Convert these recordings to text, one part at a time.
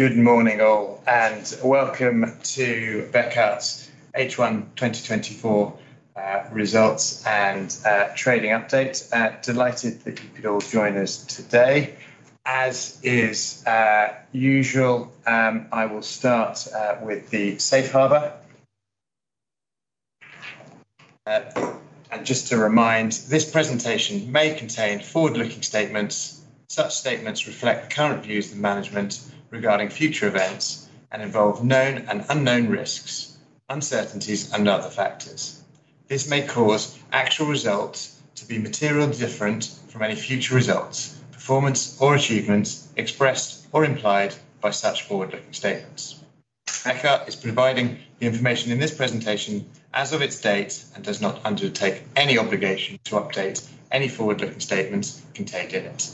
Good morning, all, and welcome to Bekaert's H1 2024 results and trading update. Delighted that you could all join us today. As is usual, I will start with the safe harbor. Just to remind, this presentation may contain forward-looking statements. Such statements reflect current views of management regarding future events and involve known and unknown risks, uncertainties, and other factors. This may cause actual results to be materially different from any future results, performance, or achievements expressed or implied by such forward-looking statements. Bekaert is providing the information in this presentation as of its date and does not undertake any obligation to update any forward-looking statements contained in it.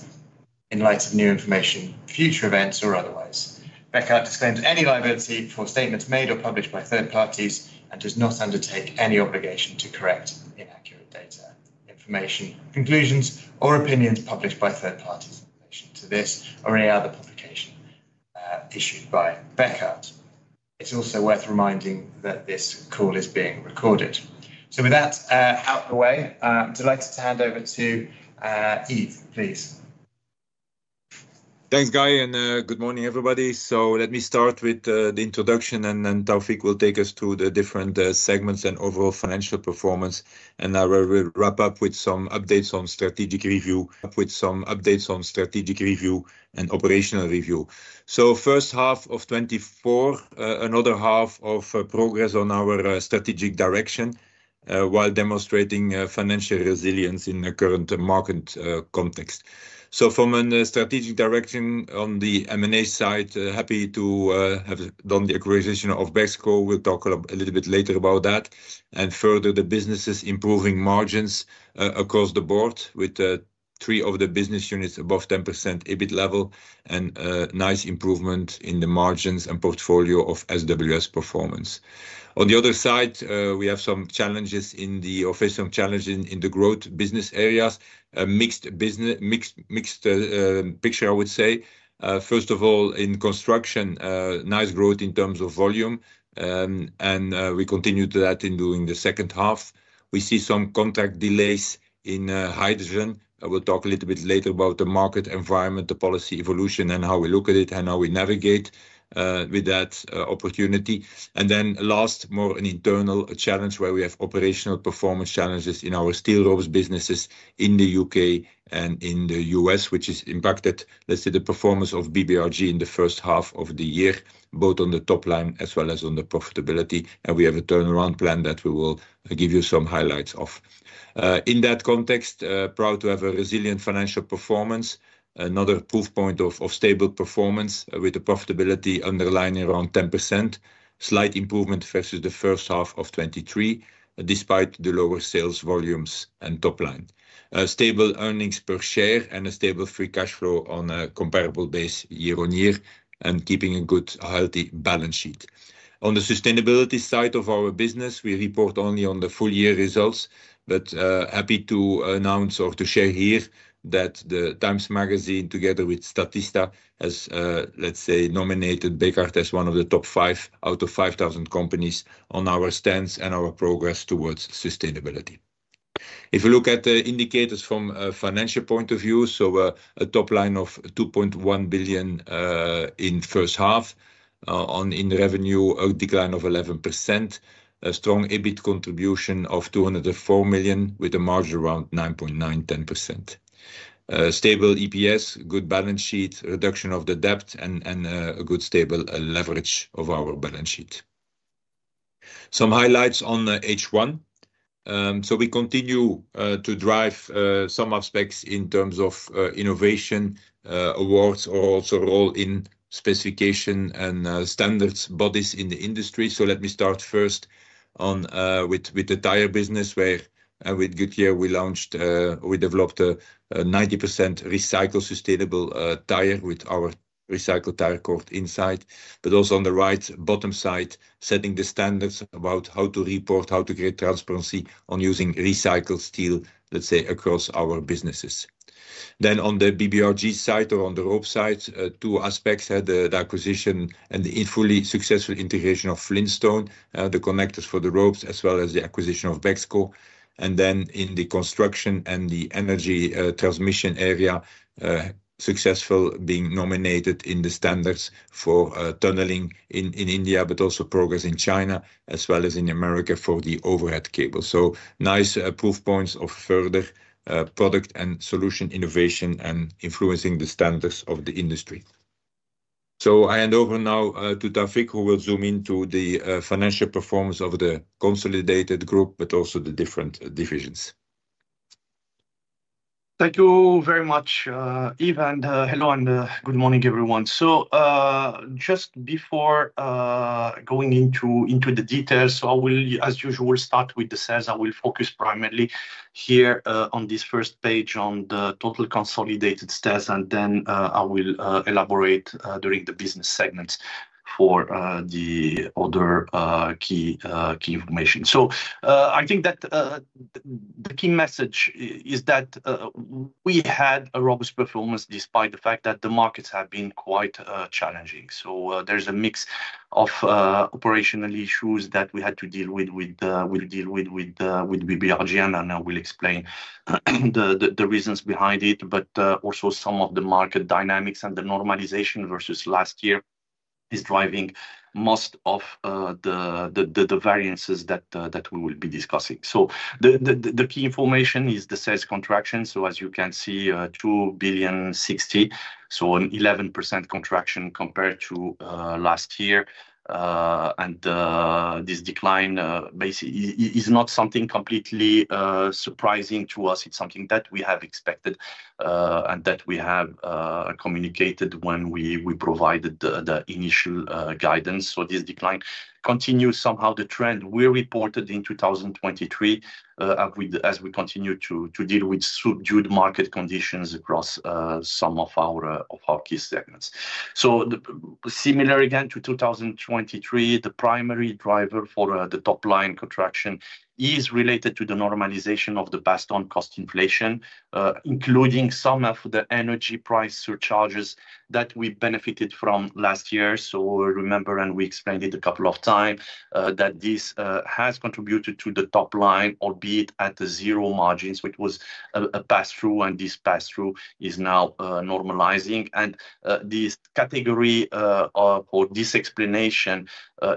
In light of new information, future events, or otherwise, Bekaert disclaims any liability for statements made or published by third parties and does not undertake any obligation to correct inaccurate data, information, conclusions, or opinions published by third parties in relation to this or any other publication issued by Bekaert. It's also worth reminding that this call is being recorded. So with that out of the way, I'm delighted to hand over to Yves, please. Thanks, Guy, and good morning, everybody. So let me start with the introduction, and then Taoufiq will take us through the different segments and overall financial performance. And we'll wrap up with some updates on strategic review and operational review. So first half of 2024, another half-year of progress on our strategic direction while demonstrating financial resilience in the current market context. So from a strategic direction on the M&A side, happy to have done the acquisition of Bexco. We'll talk a little bit later about that. And further, the business is improving margins across the board with three of the business units above 10% EBIT level and a nice improvement in the margins and portfolio of SWS performance. On the other side, we have some challenges in the growth business areas, a mixed picture, I would say. First of all, in construction, nice growth in terms of volume, and we continued that in the second half. We see some contract delays in hydrogen. I will talk a little bit later about the market environment, the policy evolution, and how we look at it and how we navigate with that opportunity. And then last, more of an internal challenge where we have operational performance challenges in our steel ropes businesses in the U.K. and in the U.S., which has impacted, let's say, the performance of BBRG in the first half of the year, both on the top line as well as on the profitability. And we have a turnaround plan that we will give you some highlights of. In that context, proud to have a resilient financial performance, another proof point of stable performance with a profitability underlying around 10%, slight improvement versus the first half of 2023, despite the lower sales volumes and top line. Stable earnings per share and a stable free cash flow on a comparable base year on year and keeping a good healthy balance sheet. On the sustainability side of our business, we report only on the full year results, but happy to announce or to share here that the TIME Magazine, together with Statista, has, let's say, nominated Bekaert as one of the top five out of 5,000 companies on our stance and our progress towards sustainability. If we look at the indicators from a financial point of view, so a top line of 2.1 billion in first half on revenue, a decline of 11%, a strong EBIT contribution of 204 million with a margin around 9.9%-10%. Stable EPS, good balance sheet, reduction of the debt, and a good stable leverage of our balance sheet. Some highlights on H1. So we continue to drive some aspects in terms of innovation awards or also role in specification and standards bodies in the industry. So let me start first with the tire business, where with Goodyear, we launched or we developed a 90% recycled sustainable tire with our recycled tire cord inside, but also on the right bottom side, setting the standards about how to report, how to create transparency on using recycled steel, let's say, across our businesses. Then on the BBRG side or on the rope side, two aspects had the acquisition and the fully successful integration of Flintstone, the connectors for the ropes, as well as the acquisition of BEXCO. Then in the construction and the energy transmission area, successful being nominated in the standards for tunneling in India, but also progress in China, as well as in America for the overhead cable. Nice proof points of further product and solution innovation and influencing the standards of the industry. I hand over now to Taoufiq, who will zoom into the financial performance of the consolidated group, but also the different divisions. Thank you very much, Yves, and hello and good morning, everyone. So just before going into the details, I will, as usual, start with the sales. I will focus primarily here on this first page on the total consolidated status, and then I will elaborate during the business segments for the other key information. So I think that the key message is that we had a robust performance despite the fact that the markets have been quite challenging. So there's a mix of operational issues that we had to deal with, with BBRG, and I will explain the reasons behind it, but also some of the market dynamics and the normalization versus last year is driving most of the variances that we will be discussing. So the key information is the sales contraction. So as you can see, 2.06 billion, so an 11% contraction compared to last year. This decline is not something completely surprising to us. It's something that we have expected and that we have communicated when we provided the initial guidance. This decline continues somehow the trend we reported in 2023 as we continue to deal with subdued market conditions across some of our key segments. Similar again to 2023, the primary driver for the top line contraction is related to the normalization of the past on cost inflation, including some of the energy price surcharges that we benefited from last year. Remember, and we explained it a couple of times, that this has contributed to the top line, albeit at the zero margins, which was a pass-through, and this pass-through is now normalizing. This category or this explanation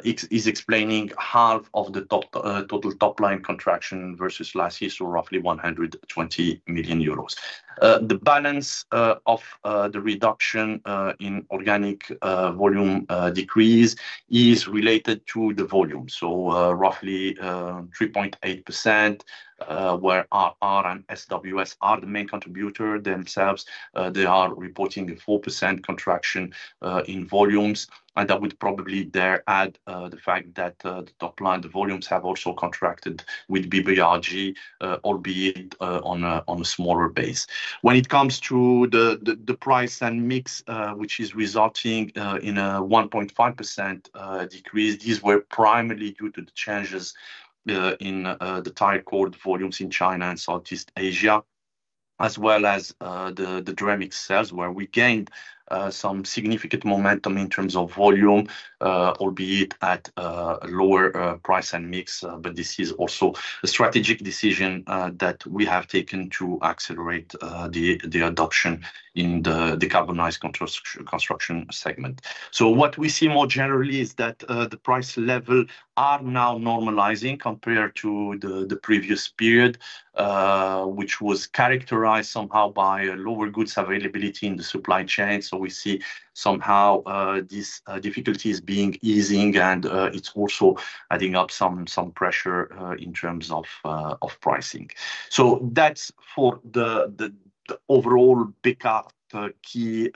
is explaining half of the total top line contraction versus last year, so roughly 120 million euros. The balance of the reduction in organic volume decrease is related to the volume, so roughly 3.8%, where R and SWS are the main contributors themselves. They are reporting a 4% contraction in volumes, and that would probably there add the fact that the top line, the volumes have also contracted with BBRG, albeit on a smaller base. When it comes to the price and mix, which is resulting in a 1.5% decrease, these were primarily due to the changes in the tire cord volumes in China and Southeast Asia, as well as the Dramix sales where we gained some significant momentum in terms of volume, albeit at a lower price and mix. But this is also a strategic decision that we have taken to accelerate the adoption in the decarbonized construction segment. So what we see more generally is that the price level are now normalizing compared to the previous period, which was characterized somehow by lower goods availability in the supply chain. So we see somehow this difficulties being easing, and it's also adding up some pressure in terms of pricing. So that's for the overall Bekaert key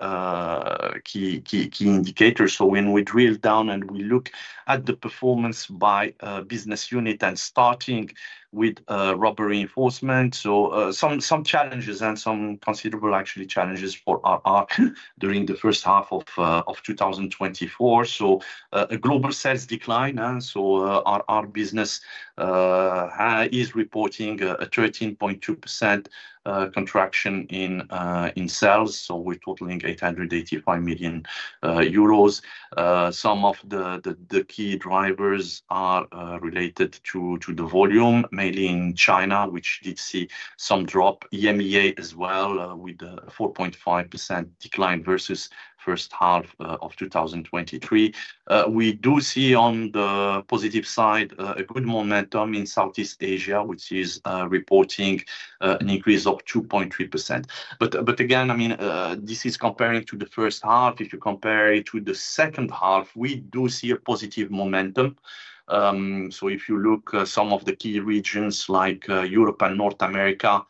indicator. So when we drill down and we look at the performance by business unit and starting with rubber reinforcement, so some challenges and some considerable actually challenges for RR during the first half of 2024. So a global sales decline. So our business is reporting a 13.2% contraction in sales. So we're totaling 885 million euros. Some of the key drivers are related to the volume, mainly in China, which did see some drop. EMEA as well with a 4.5% decline versus first half of 2023. We do see on the positive side a good momentum in Southeast Asia, which is reporting an increase of 2.3%. But again, I mean, this is comparing to the first half. If you compare it to the second half, we do see a positive momentum. So if you look at some of the key regions like Europe and North America,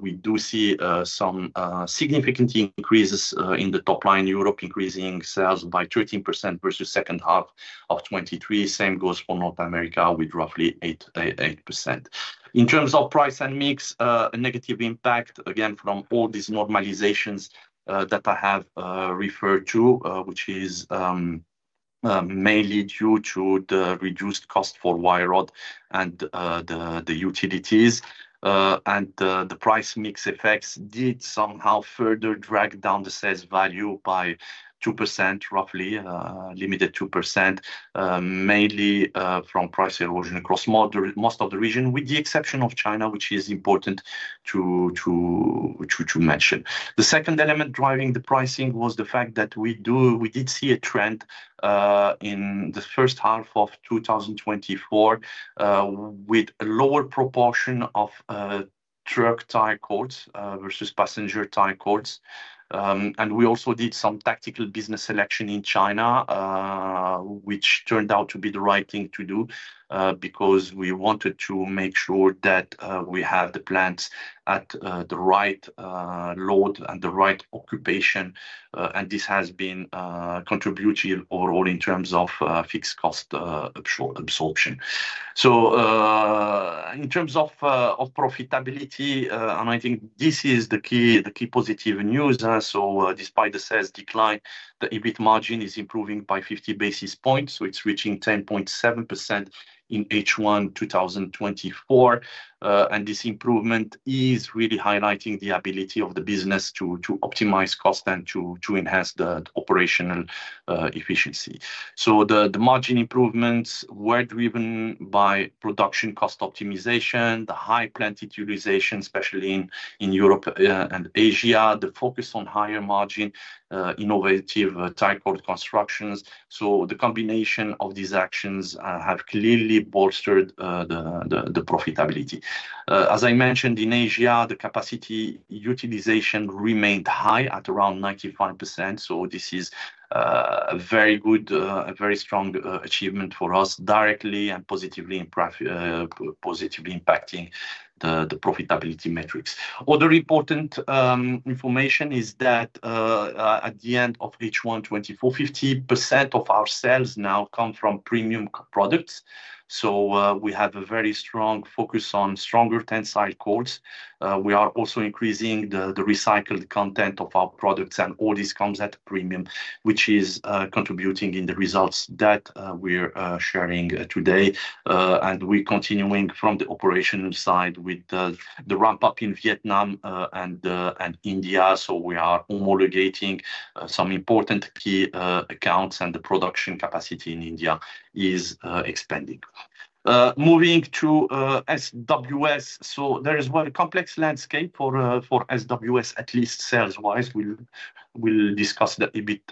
we do see some significant increases in the top line. Europe, increasing sales by 13% versus second half of 2023. Same goes for North America with roughly 8%. In terms of price and mix, a negative impact again from all these normalizations that I have referred to, which is mainly due to the reduced cost for wire rod and the utilities. The price mix effects did somehow further drag down the sales value by 2%, roughly limited 2%, mainly from price erosion across most of the region, with the exception of China, which is important to mention. The second element driving the pricing was the fact that we did see a trend in the first half of 2024 with a lower proportion of truck tire cords versus passenger tire cords. We also did some tactical business selection in China, which turned out to be the right thing to do because we wanted to make sure that we have the plants at the right load and the right occupation. This has been contributing overall in terms of fixed cost absorption. In terms of profitability, and I think this is the key positive news. Despite the sales decline, the EBIT margin is improving by 50 basis points. So it's reaching 10.7% in H1 2024. This improvement is really highlighting the ability of the business to optimize cost and to enhance the operational efficiency. The margin improvements were driven by production cost optimization, the high plant utilization, especially in Europe and Asia, the focus on higher margin, innovative tire cord constructions. The combination of these actions have clearly bolstered the profitability. As I mentioned, in Asia, the capacity utilization remained high at around 95%. This is a very good, a very strong achievement for us directly and positively impacting the profitability metrics. Other important information is that at the end of H1 2024, 50% of our sales now come from premium products. We have a very strong focus on stronger tensile cords. We are also increasing the recycled content of our products, and all this comes at a premium, which is contributing in the results that we're sharing today. And we're continuing from the operational side with the ramp-up in Vietnam and India. So we are homologating some important key accounts, and the production capacity in India is expanding. Moving to SWS. So there is a complex landscape for SWS, at least sales-wise. We'll discuss that a bit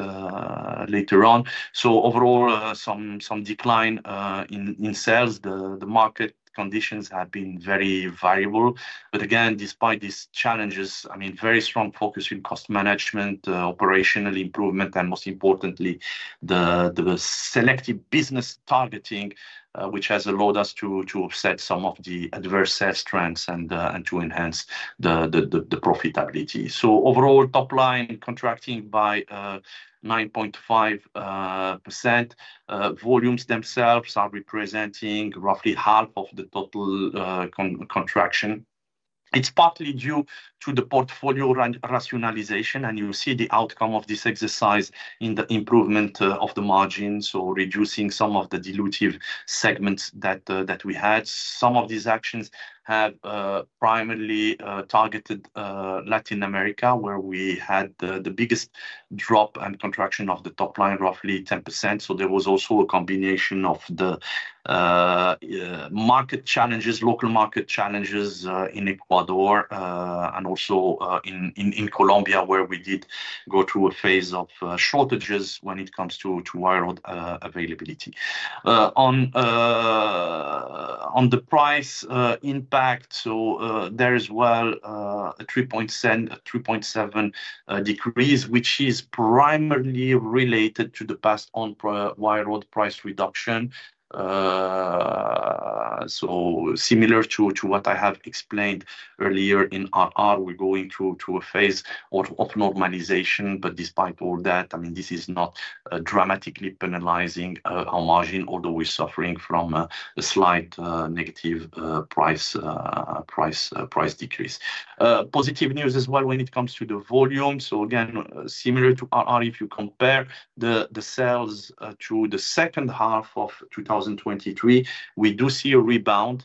later on. So overall, some decline in sales. The market conditions have been very variable. But again, despite these challenges, I mean, very strong focus in cost management, operational improvement, and most importantly, the selective business targeting, which has allowed us to set some of the adverse sales strengths and to enhance the profitability. So overall, top line contracting by 9.5%. Volumes themselves are representing roughly half of the total contraction. It's partly due to the portfolio rationalization, and you see the outcome of this exercise in the improvement of the margins, so reducing some of the dilutive segments that we had. Some of these actions have primarily targeted Latin America, where we had the biggest drop and contraction of the top line, roughly 10%. So there was also a combination of the market challenges, local market challenges in Ecuador, and also in Colombia, where we did go through a phase of shortages when it comes to wire rod availability. On the price impact, so there is well a 3.7% decrease, which is primarily related to the past on wire rod price reduction. So similar to what I have explained earlier in RR, we're going through a phase of normalization. But despite all that, I mean, this is not dramatically penalizing our margin, although we're suffering from a slight negative price decrease. Positive news as well when it comes to the volume. So again, similar to RR, if you compare the sales to the second half of 2023, we do see a rebound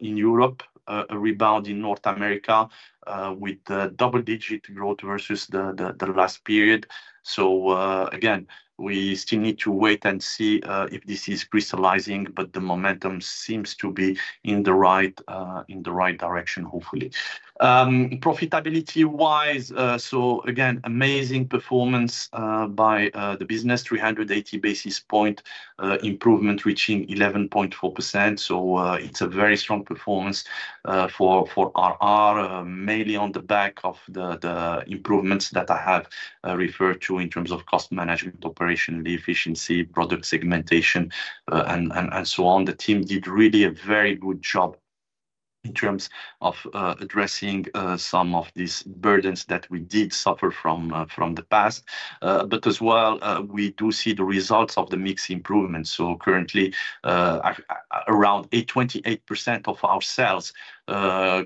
in Europe, a rebound in North America with double-digit growth versus the last period. So again, we still need to wait and see if this is crystallizing, but the momentum seems to be in the right direction, hopefully. Profitability-wise, so again, amazing performance by the business, 380 basis point improvement, reaching 11.4%. So it's a very strong performance for RR, mainly on the back of the improvements that I have referred to in terms of cost management, operational efficiency, product segmentation, and so on. The team did really a very good job in terms of addressing some of these burdens that we did suffer from the past. But as well, we do see the results of the mixed improvement. So currently, around 28% of our sales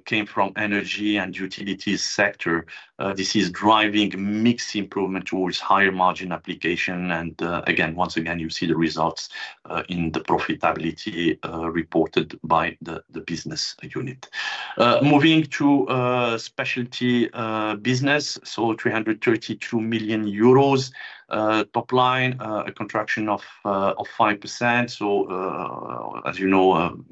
came from energy and utilities sector. This is driving mixed improvement towards higher margin application. And again, once again, you see the results in the profitability reported by the business unit. Moving to specialty business, 332 million euros top line, a contraction of 5%. So as you know,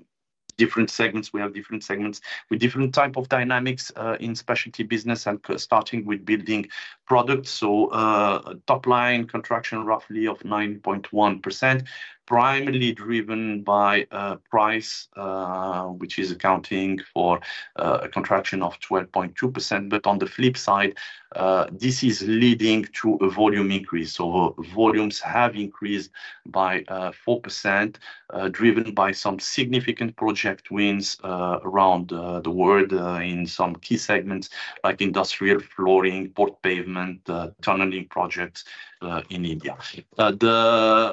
different segments, we have different segments with different types of dynamics in specialty business and starting with building products. So top line contraction roughly of 9.1%, primarily driven by price, which is accounting for a contraction of 12.2%. But on the flip side, this is leading to a volume increase. So volumes have increased by 4%, driven by some significant project wins around the world in some key segments like industrial flooring, port pavement, tunneling projects in India.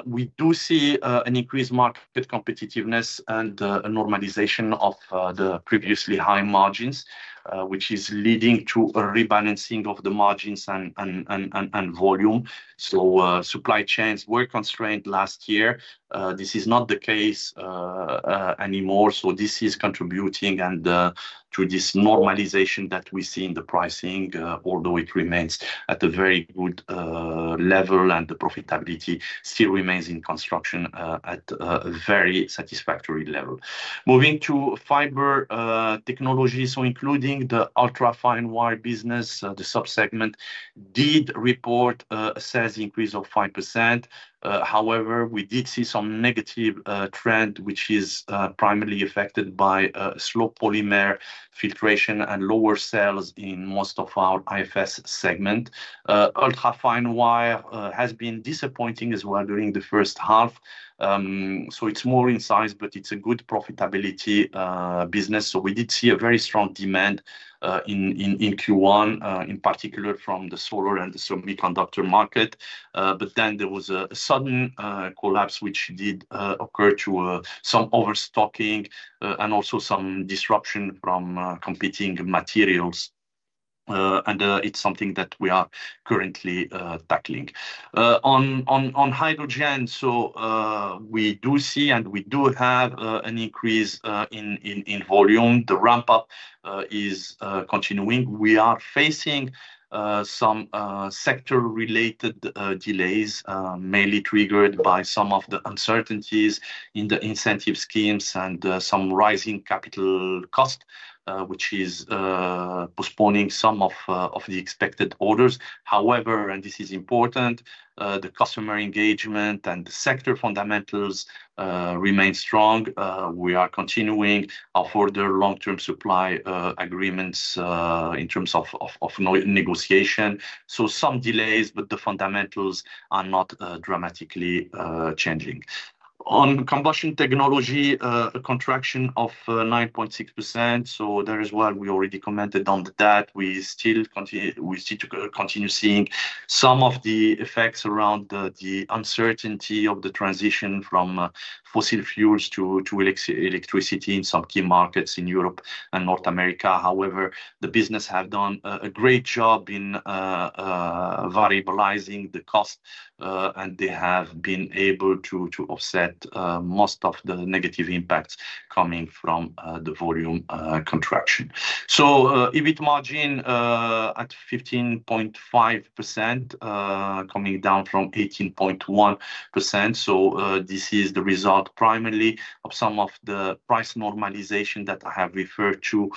We do see an increased market competitiveness and a normalization of the previously high margins, which is leading to a rebalancing of the margins and volume. Supply chains were constrained last year. This is not the case anymore. This is contributing to this normalization that we see in the pricing, although it remains at a very good level and the profitability still remains in construction at a very satisfactory level. Moving to fiber technology, including the ultra-fine wire business, the subsegment did report a sales increase of 5%. However, we did see some negative trend, which is primarily affected by slow polymer filtration and lower sales in most of our IFS segment. Ultra-fine wire has been disappointing as well during the first half. So it's more in size, but it's a good profitability business. So we did see a very strong demand in Q1, in particular from the solar and the semiconductor market. But then there was a sudden collapse, which did occur to some overstocking and also some disruption from competing materials. And it's something that we are currently tackling. On hydrogen, so we do see and we do have an increase in volume. The ramp-up is continuing. We are facing some sector-related delays, mainly triggered by some of the uncertainties in the incentive schemes and some rising capital cost, which is postponing some of the expected orders. However, and this is important, the customer engagement and the sector fundamentals remain strong. We are continuing our further long-term supply agreements in terms of negotiation. So some delays, but the fundamentals are not dramatically changing. On combustion technology, a contraction of 9.6%. So there is what we already commented on that. We still continue seeing some of the effects around the uncertainty of the transition from fossil fuels to electricity in some key markets in Europe and North America. However, the business has done a great job in variabilizing the cost, and they have been able to offset most of the negative impacts coming from the volume contraction. So EV margin at 15.5%, coming down from 18.1%. So this is the result primarily of some of the price normalization that I have referred to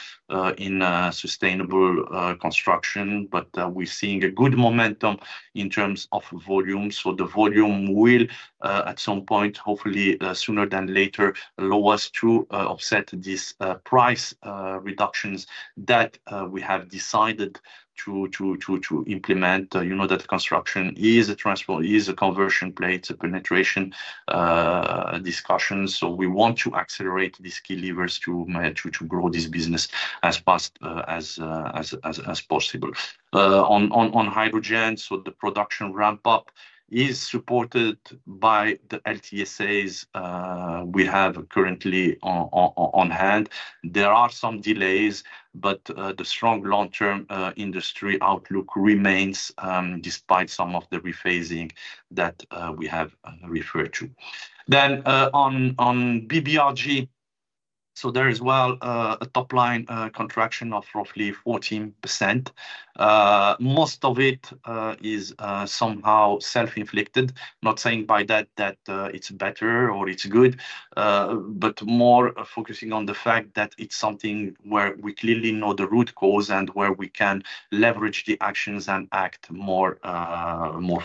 in sustainable construction. But we're seeing a good momentum in terms of volume. So the volume will, at some point, hopefully sooner than later, allow us to offset these price reductions that we have decided to implement. You know that construction is a conversion plate penetration discussion. So we want to accelerate these key levers to grow this business as fast as possible. On hydrogen, so the production ramp-up is supported by the LTSAs we have currently on hand. There are some delays, but the strong long-term industry outlook remains despite some of the rephasing that we have referred to. Then on BBRG, so there is well a top line contraction of roughly 14%. Most of it is somehow self-inflicted. Not saying by that that it's better or it's good, but more focusing on the fact that it's something where we clearly know the root cause and where we can leverage the actions and act more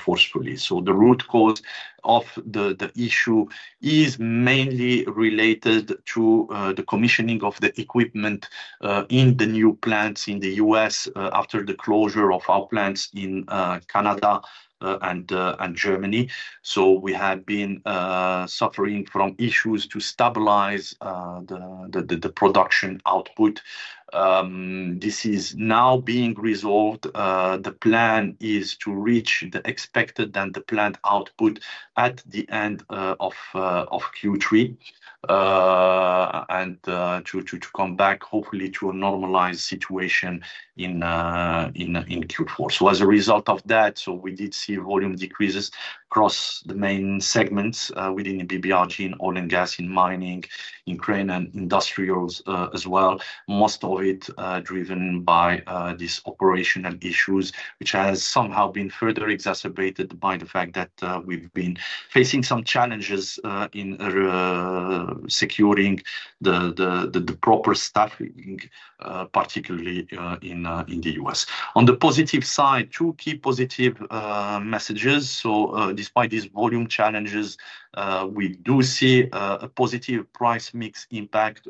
forcefully. The root cause of the issue is mainly related to the commissioning of the equipment in the new plants in the U.S. after the closure of our plants in Canada and Germany. We have been suffering from issues to stabilize the production output. This is now being resolved. The plan is to reach the expected and the planned output at the end of Q3 and to come back, hopefully, to a normalized situation in Q4. As a result of that, we did see volume decreases across the main segments within BBRG in oil and gas, in mining, in crane, and industrials as well. Most of it driven by these operational issues, which has somehow been further exacerbated by the fact that we've been facing some challenges in securing the proper staffing, particularly in the U.S. On the positive side, two key positive messages. So despite these volume challenges, we do see a positive price mix impact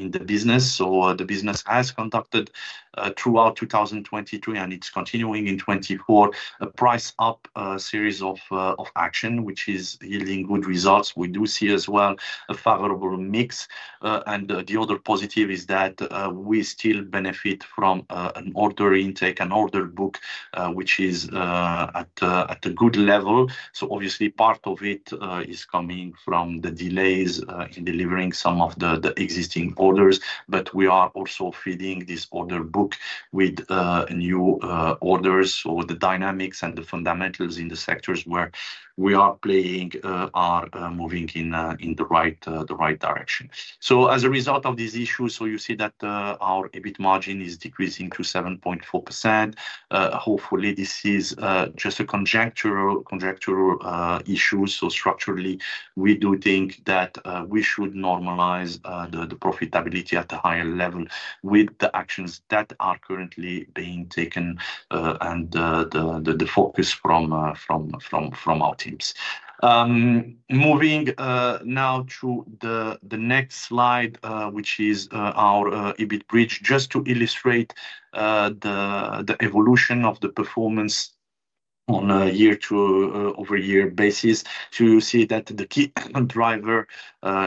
in the business. So the business has conducted throughout 2022, and it's continuing in 2024, a price-up series of action, which is yielding good results. We do see as well a favorable mix. And the other positive is that we still benefit from an order intake, an order book, which is at a good level. So obviously, part of it is coming from the delays in delivering some of the existing orders. But we are also feeding this order book with new orders. So the dynamics and the fundamentals in the sectors where we are playing are moving in the right direction. So as a result of these issues, so you see that our EBIT margin is decreasing to 7.4%. Hopefully, this is just a conjectural issue. Structurally, we do think that we should normalize the profitability at a higher level with the actions that are currently being taken and the focus from our teams. Moving now to the next slide, which is our EBIT bridge, just to illustrate the evolution of the performance on a year-to-over-year basis. You see that the key driver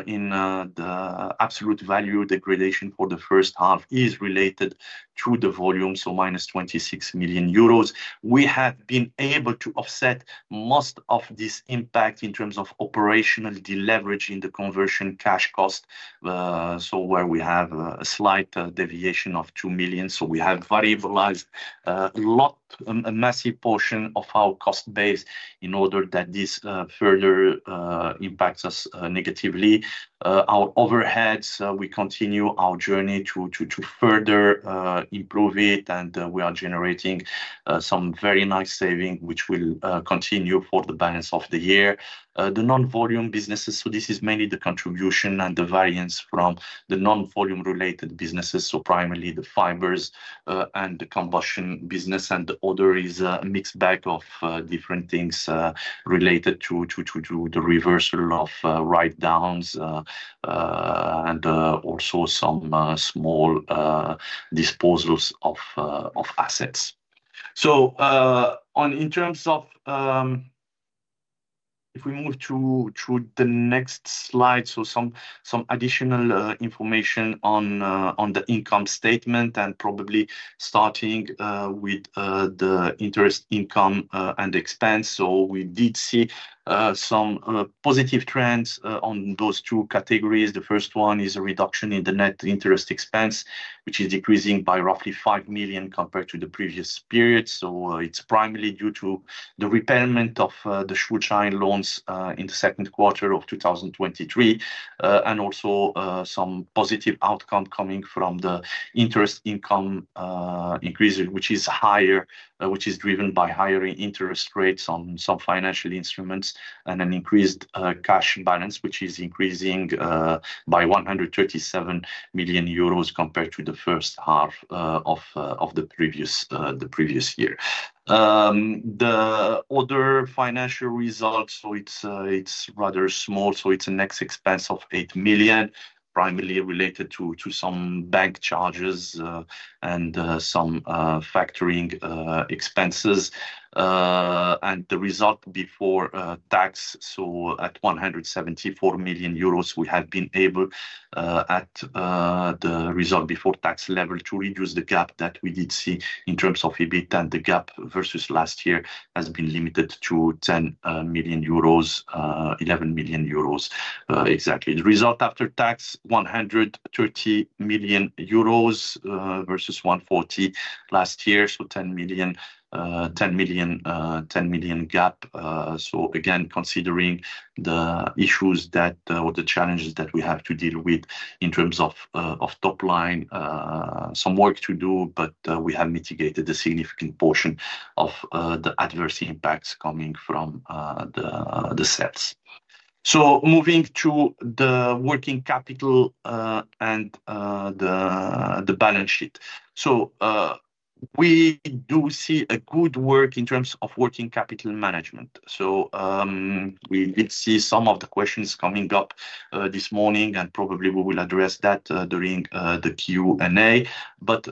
in the absolute value degradation for the first half is related to the volume, so -26 million euros. We have been able to offset most of this impact in terms of operational deleveraging the conversion cash cost, so where we have a slight deviation of 2 million. We have variabilized a massive portion of our cost base in order that this further impacts us negatively. Our overheads, we continue our journey to further improve it, and we are generating some very nice savings, which will continue for the balance of the year. The non-volume businesses, so this is mainly the contribution and the variance from the non-volume-related businesses, so primarily the fibers and the coating business. And the other is a mixed bag of different things related to the reversal of write-downs and also some small disposals of assets. So in terms of if we move to the next slide, so some additional information on the income statement and probably starting with the interest income and expense. So we did see some positive trends on those two categories. The first one is a reduction in the net interest expense, which is decreasing by roughly 5 million compared to the previous period. So it's primarily due to the repayment of the Schuldschein loans in the second quarter of 2023 and also some positive outcome coming from the interest income increase, which is higher, which is driven by higher interest rates on some financial instruments and an increased cash balance, which is increasing by 137 million euros compared to the first half of the previous year. The other financial results, so it's rather small. So it's a net expense of 8 million, primarily related to some bank charges and some factoring expenses. And the result before tax, so at 174 million euros, we have been able at the result before tax level to reduce the gap that we did see in terms of EBITDA. And the gap versus last year has been limited to 10 million euros, 11 million euros exactly. The result after tax, 130 million euros versus 140 million last year, so 10 million gap. So again, considering the issues or the challenges that we have to deal with in terms of top line, some work to do, but we have mitigated a significant portion of the adverse impacts coming from the sales. So moving to the working capital and the balance sheet. So we do see good work in terms of working capital management. So we did see some of the questions coming up this morning, and probably we will address that during the Q&A. But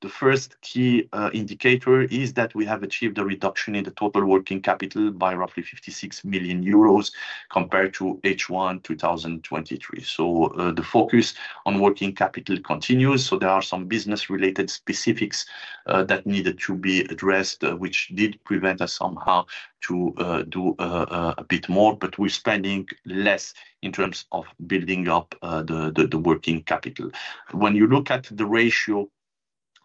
the first key indicator is that we have achieved a reduction in the total working capital by roughly 56 million euros compared to H1 2023. So the focus on working capital continues. So there are some business-related specifics that needed to be addressed, which did prevent us somehow to do a bit more, but we're spending less in terms of building up the working capital. When you look at the ratio,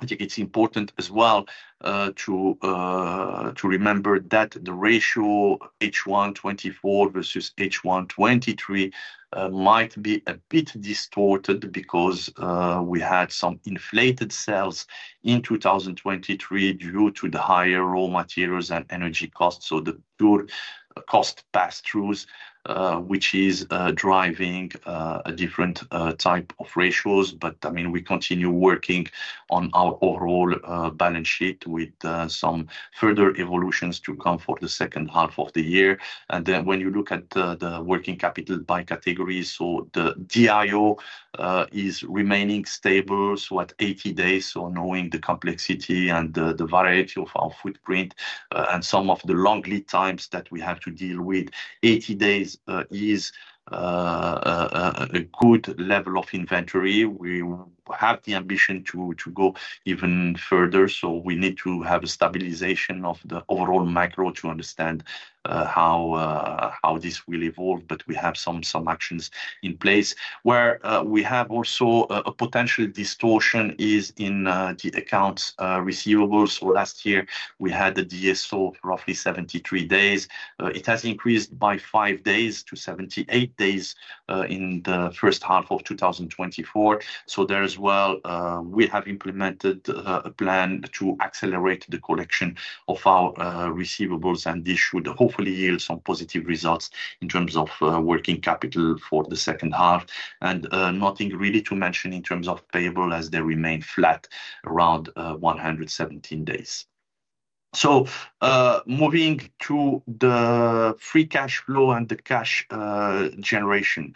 I think it's important as well to remember that the ratio H1 2024 versus H1 2023 might be a bit distorted because we had some inflated sales in 2023 due to the higher raw materials and energy costs. So the pure cost pass-throughs, which is driving a different type of ratios. But I mean, we continue working on our overall balance sheet with some further evolutions to come for the second half of the year. And then when you look at the working capital by categories, so the DIO is remaining stable, so at 80 days. Knowing the complexity and the variety of our footprint and some of the long lead times that we have to deal with, 80 days is a good level of inventory. We have the ambition to go even further. We need to have a stabilization of the overall macro to understand how this will evolve. We have some actions in place where we have also a potential distortion in the accounts receivable. Last year, we had a DSO of roughly 73 days. It has increased by 5 days to 78 days in the first half of 2024. There as well, we have implemented a plan to accelerate the collection of our receivables and this should hopefully yield some positive results in terms of working capital for the second half. Nothing really to mention in terms of payable as they remain flat around 117 days. So moving to the free cash flow and the cash generation.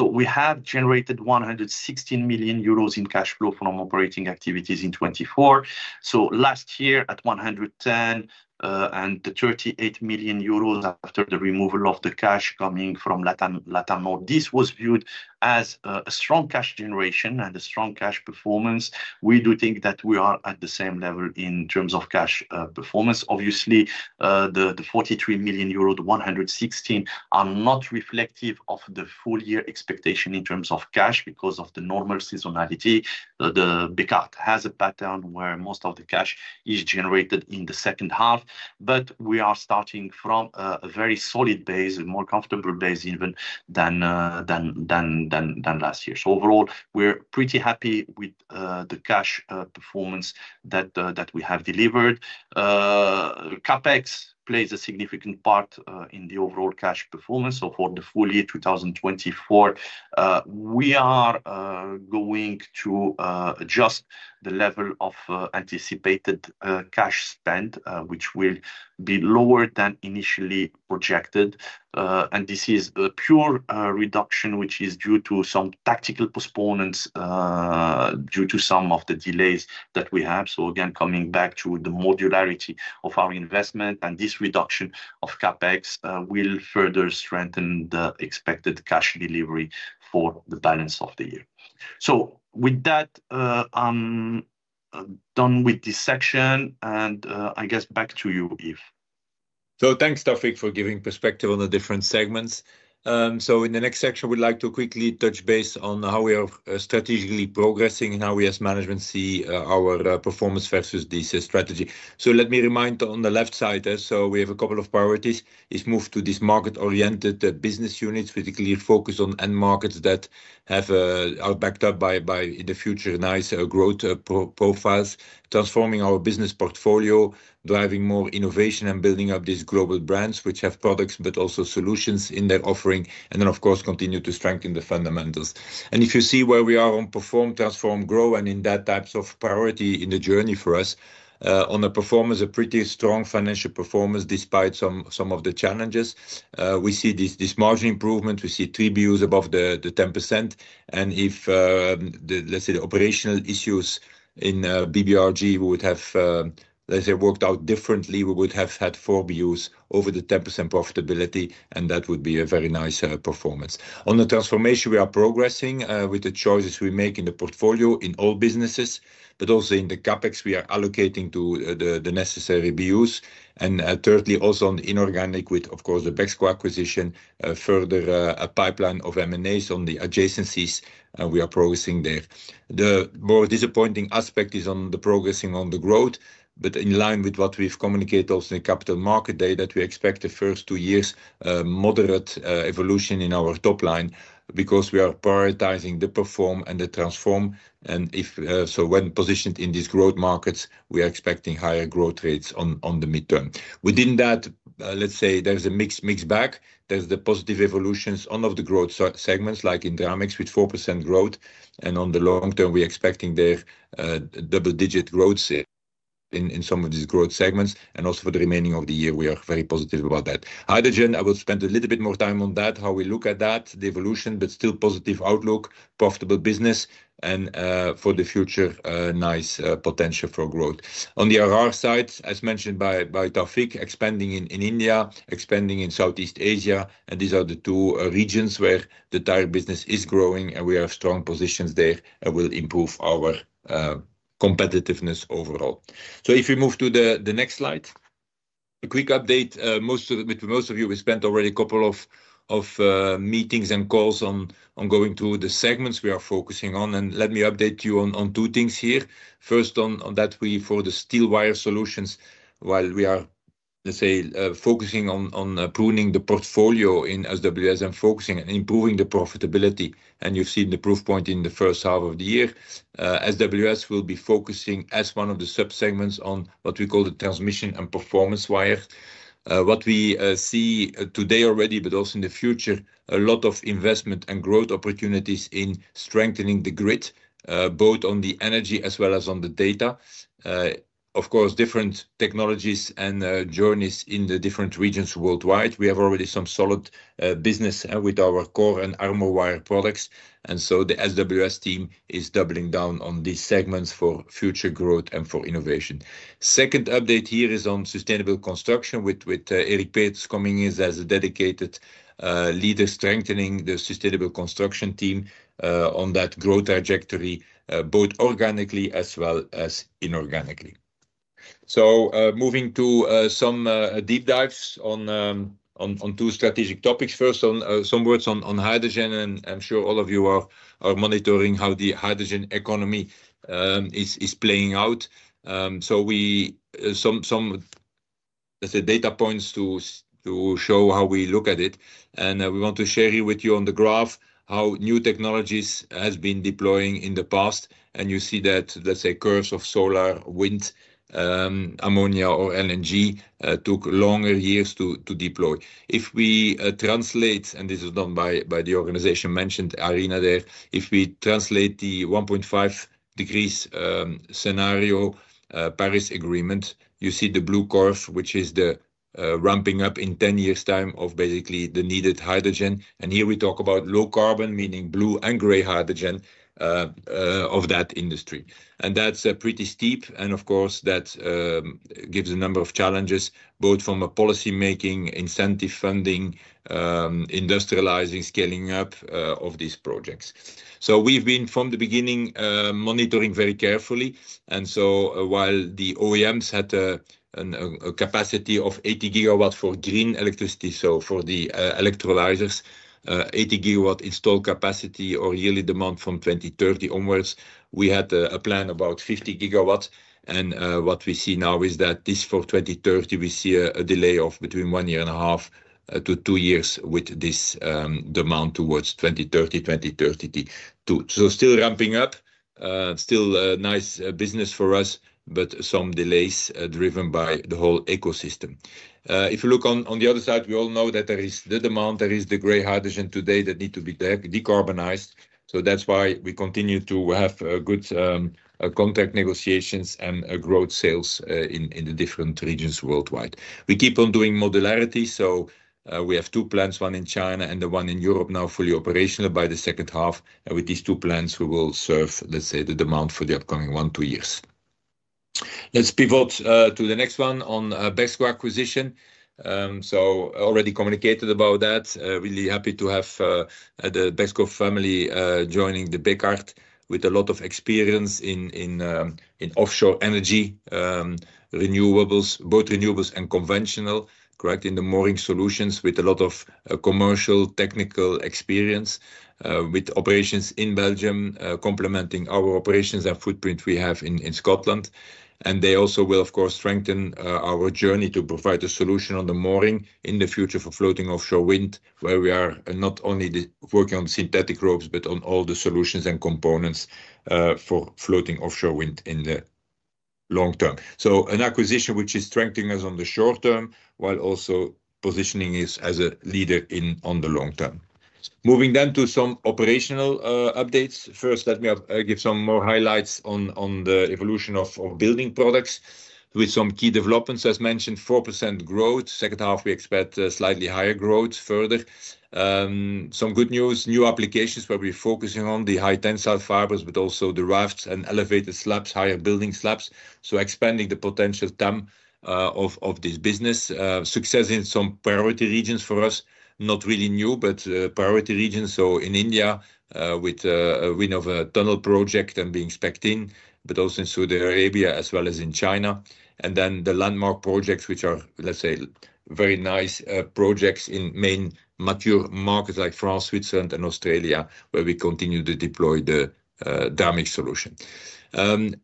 We have generated 116 million euros in cash flow from operating activities in 2024. Last year at 110 million and 38 million euros after the removal of the cash coming from Latamor. This was viewed as a strong cash generation and a strong cash performance. We do think that we are at the same level in terms of cash performance. Obviously, the 43 million euro, the 116 are not reflective of the full year expectation in terms of cash because of the normal seasonality. The Bekaert has a pattern where most of the cash is generated in the second half, but we are starting from a very solid base, a more comfortable base even than last year. Overall, we're pretty happy with the cash performance that we have delivered. CapEx plays a significant part in the overall cash performance. For the full year 2024, we are going to adjust the level of anticipated cash spend, which will be lower than initially projected. This is a pure reduction, which is due to some tactical postponements due to some of the delays that we have. Again, coming back to the modularity of our investment and this reduction of CapEx will further strengthen the expected cash delivery for the balance of the year. With that, I'm done with this section, and I guess back to you, Yves. Thanks, Taoufiq, for giving perspective on the different segments. In the next section, we'd like to quickly touch base on how we are strategically progressing and how we as management see our performance versus this strategy. So let me remind on the left side, so we have a couple of priorities. It's moved to these market-oriented business units with a clear focus on end markets that are backed up by, in the future, nice growth profiles, transforming our business portfolio, driving more innovation, and building up these global brands which have products but also solutions in their offering. And then, of course, continue to strengthen the fundamentals. And if you see where we are on perform, transform, grow, and in that types of priority in the journey for us, on the performance, a pretty strong financial performance despite some of the challenges. We see this margin improvement. We see three BUs above the 10%. And if, let's say, the operational issues in BBRG would have, let's say, worked out differently, we would have had four BUs over the 10% profitability, and that would be a very nice performance. On the transformation, we are progressing with the choices we make in the portfolio in all businesses, but also in the CapEx, we are allocating to the necessary BUs. And thirdly, also on the inorganic with, of course, the Bexco acquisition, further a pipeline of M&As on the adjacencies, and we are progressing there. The more disappointing aspect is on the progressing on the growth, but in line with what we've communicated also in the capital market day that we expect the first two years, moderate evolution in our top line because we are prioritizing the perform and the transform. And if so when positioned in these growth markets, we are expecting higher growth rates on the midterm. Within that, let's say, there's a mixed bag. There's the positive evolutions on of the growth segments like in Dramix with 4% growth. And on the long term, we're expecting their double-digit growth in some of these growth segments. And also for the remaining of the year, we are very positive about that. Hydrogen, I will spend a little bit more time on that, how we look at that, the evolution, but still positive outlook, profitable business, and for the future, nice potential for growth. On the RR side, as mentioned by Taoufiq, expanding in India, expanding in Southeast Asia. And these are the two regions where the entire business is growing, and we have strong positions there and will improve our competitiveness overall. So if we move to the next slide, a quick update. With most of you, we spent already a couple of meetings and calls on going through the segments we are focusing on. And let me update you on two things here. First, on that, we, for the Steel Wire Solutions, while we are, let's say, focusing on pruning the portfolio in SWS and focusing and improving the profitability. And you've seen the proof point in the first half of the year. SWS will be focusing as one of the subsegments on what we call the transmission and performance wire. What we see today already, but also in the future, a lot of investment and growth opportunities in strengthening the grid, both on the energy as well as on the data. Of course, different technologies and journeys in the different regions worldwide. We have already some solid business with our core and Armofor wire products. The SWS team is doubling down on these segments for future growth and for innovation. Second update here is on sustainable construction with Eric Peeters coming in as a dedicated leader strengthening the sustainable construction team on that growth trajectory, both organically as well as inorganically. Moving to some deep dives on two strategic topics. First, some words on hydrogen, and I'm sure all of you are monitoring how the hydrogen economy is playing out. We have some data points to show how we look at it. We want to share with you on the graph how new technologies have been deploying in the past. You see that, let's say, curves of solar, wind, ammonia, or LNG took longer years to deploy. If we translate, and this is done by the organization mentioned, IRENA there, if we translate the 1.5-degree scenario, Paris Agreement, you see the blue curve, which is the ramping up in 10 years' time of basically the needed hydrogen. And here we talk about low-carbon, meaning blue and gray hydrogen of that industry. And that's pretty steep. And of course, that gives a number of challenges, both from a policymaking, incentive funding, industrializing, scaling up of these projects. So we've been from the beginning monitoring very carefully. And so while the OEMs had a capacity of 80 GW for green electricity, so for the electrolyzers, 80 GW install capacity or yearly demand from 2030 onwards, we had a plan about 50 GW. What we see now is that this for 2030, we see a delay of between one year and a half to two years with this demand towards 2030, 2030. So still ramping up, still nice business for us, but some delays driven by the whole ecosystem. If you look on the other side, we all know that there is the demand, there is the gray hydrogen today that need to be decarbonized. So that's why we continue to have good contract negotiations and growth sales in the different regions worldwide. We keep on doing modularity. So we have two plants, one in China and the one in Europe now fully operational by the second half. And with these two plants, we will serve, let's say, the demand for the upcoming one, two years. Let's pivot to the next one on Bexco acquisition. So already communicated about that. Really happy to have the BEXCO family joining the Bekaert with a lot of experience in offshore energy, renewables, both renewables and conventional, correct, in the mooring solutions with a lot of commercial technical experience with operations in Belgium, complementing our operations and footprint we have in Scotland. And they also will, of course, strengthen our journey to provide a solution on the mooring in the future for floating offshore wind, where we are not only working on synthetic ropes, but on all the solutions and components for floating offshore wind in the long term. So an acquisition which is strengthening us on the short term while also positioning us as a leader on the long term. Moving then to some operational updates. First, let me give some more highlights on the evolution of building products with some key developments, as mentioned, 4% growth. Second half, we expect slightly higher growth further. Some good news, new applications where we're focusing on the high tensile fibers, but also the rafts and elevated slabs, higher building slabs. Expanding the potential TAM of this business, success in some priority regions for us, not really new, but priority regions. In India with a win on a tunnel project and being specced in, but also in Saudi Arabia as well as in China. Then the landmark projects, which are, let's say, very nice projects in main mature markets like France, Switzerland, and Australia, where we continue to deploy the Dramix solution.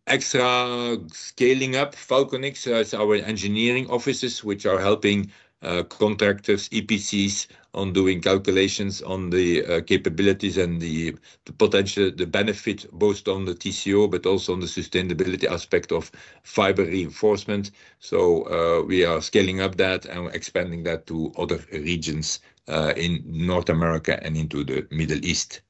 Extra scaling up, FalconX, our engineering offices, which are helping contractors, EPCs on doing calculations on the capabilities and the potential, the benefit both on the TCO, but also on the sustainability aspect of fiber reinforcement. So we are scaling up that and expanding that to other regions in North America and into the Middle East.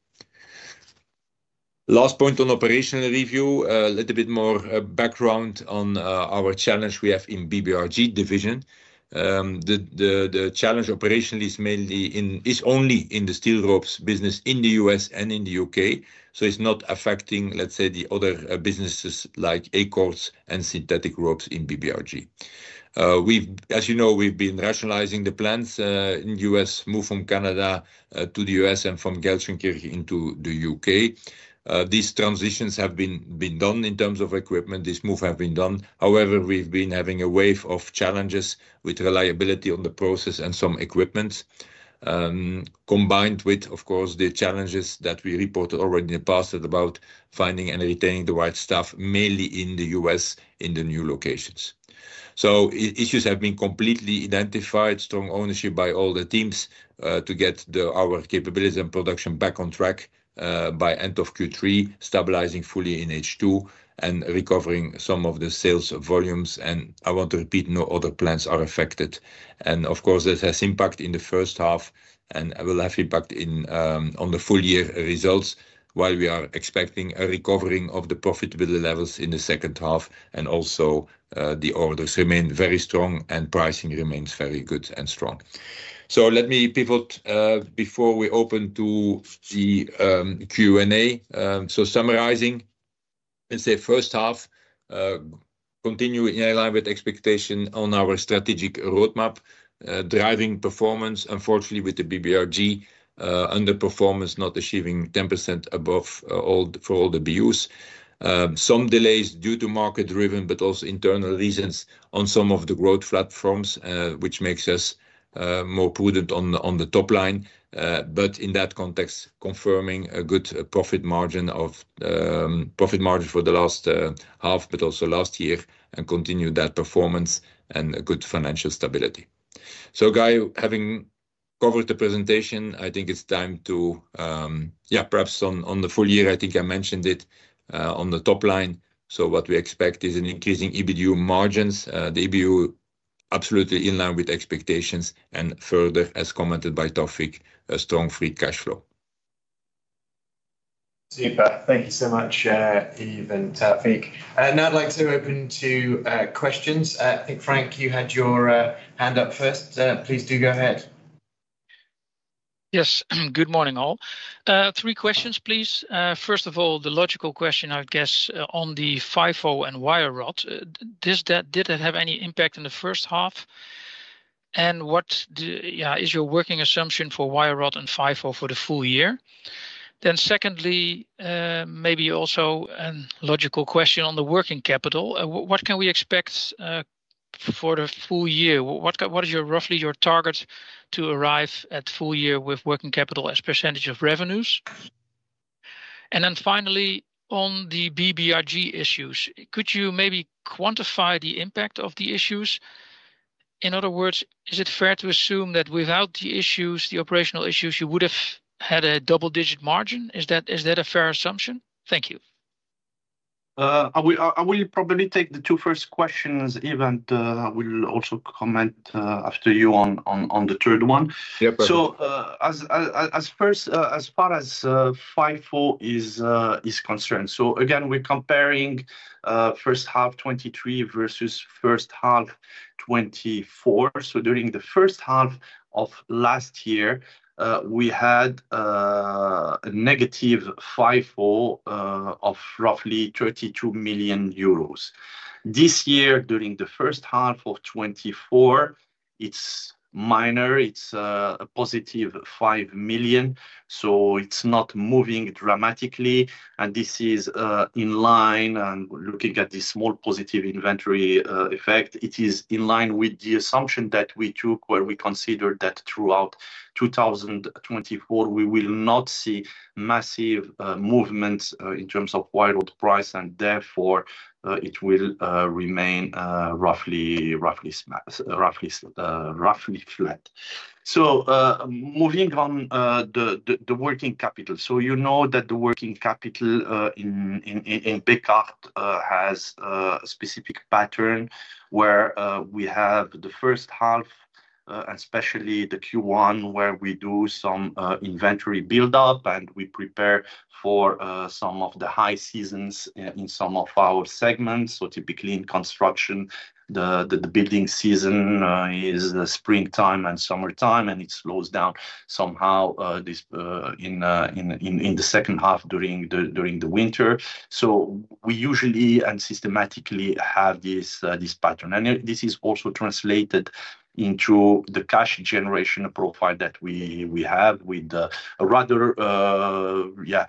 Last point on operational review, a little bit more background on our challenge we have in BBRG division. The challenge operationally is mainly only in the steel ropes business in the U.S. and in the U.K. So it's not affecting, let's say, the other businesses like acorns and synthetic ropes in BBRG. As you know, we've been rationalizing the plants in the U.S., moved from Canada to the U.S. and from Gelsenkirchen into the U.K. These transitions have been done in terms of equipment. This move has been done. However, we've been having a wave of challenges with reliability on the process and some equipment, combined with, of course, the challenges that we reported already in the past about finding and retaining the right staff, mainly in the U.S., in the new locations. So issues have been completely identified, strong ownership by all the teams to get our capabilities and production back on track by end of Q3, stabilizing fully in H2 and recovering some of the sales volumes. And I want to repeat, no other plans are affected. And of course, this has impact in the first half and will have impact on the full year results while we are expecting a recovering of the profitability levels in the second half and also the orders remain very strong and pricing remains very good and strong. So let me pivot before we open to the Q&A. So summarizing, let's say first half, continue in line with expectation on our strategic roadmap, driving performance, unfortunately with the BBRG underperformance, not achieving 10% above all for all the BUs. Some delays due to market-driven, but also internal reasons on some of the growth platforms, which makes us more prudent on the top line. But in that context, confirming a good profit margin for the last half, but also last year, and continue that performance and good financial stability. So Guy, having covered the presentation, I think it's time to, yeah, perhaps on the full year, I think I mentioned it on the top line. So what we expect is an increasing EBITDA margins, the EBITDA absolutely in line with expectations and further, as commented by Taoufiq, a strong free cash flow. Super. Thank you so much, Yves and Taoufiq. Now I'd like to open to questions. I think Frank, you had your hand up first. Please do go ahead. Yes. Good morning all. Three questions, please. First of all, the logical question, I guess, on the FIFO and wire rod, did that have any impact in the first half? And what is your working assumption for wire rod and FIFO for the full year? Then secondly, maybe also a logical question on the working capital. What can we expect for the full year? What is roughly your target to arrive at full year with working capital as percentage of revenues? And then finally, on the BBRG issues, could you maybe quantify the impact of the issues? In other words, is it fair to assume that without the issues, the operational issues, you would have had a double-digit margin? Is that a fair assumption? Thank you. I will probably take the two first questions, Yves, and we'll also comment after you on the third one. As far as FIFO is concerned, again, we're comparing first half 2023 versus first half 2024. During the first half of last year, we had a negative FIFO of roughly 32 million euros. This year, during the first half of 2024, it's minor. It's a positive 5 million. It's not moving dramatically. And this is in line and looking at this small positive inventory effect, it is in line with the assumption that we took where we considered that throughout 2024, we will not see massive movements in terms of wire rod price. And therefore, it will remain roughly flat. Moving on the working capital. You know that the working capital in Bekaert has a specific pattern where we have the first half, especially the Q1, where we do some inventory build-up and we prepare for some of the high seasons in some of our segments. Typically in construction, the building season is springtime and summertime, and it slows down somehow in the second half during the winter. We usually and systematically have this pattern. And this is also translated into the cash generation profile that we have with a rather, yeah,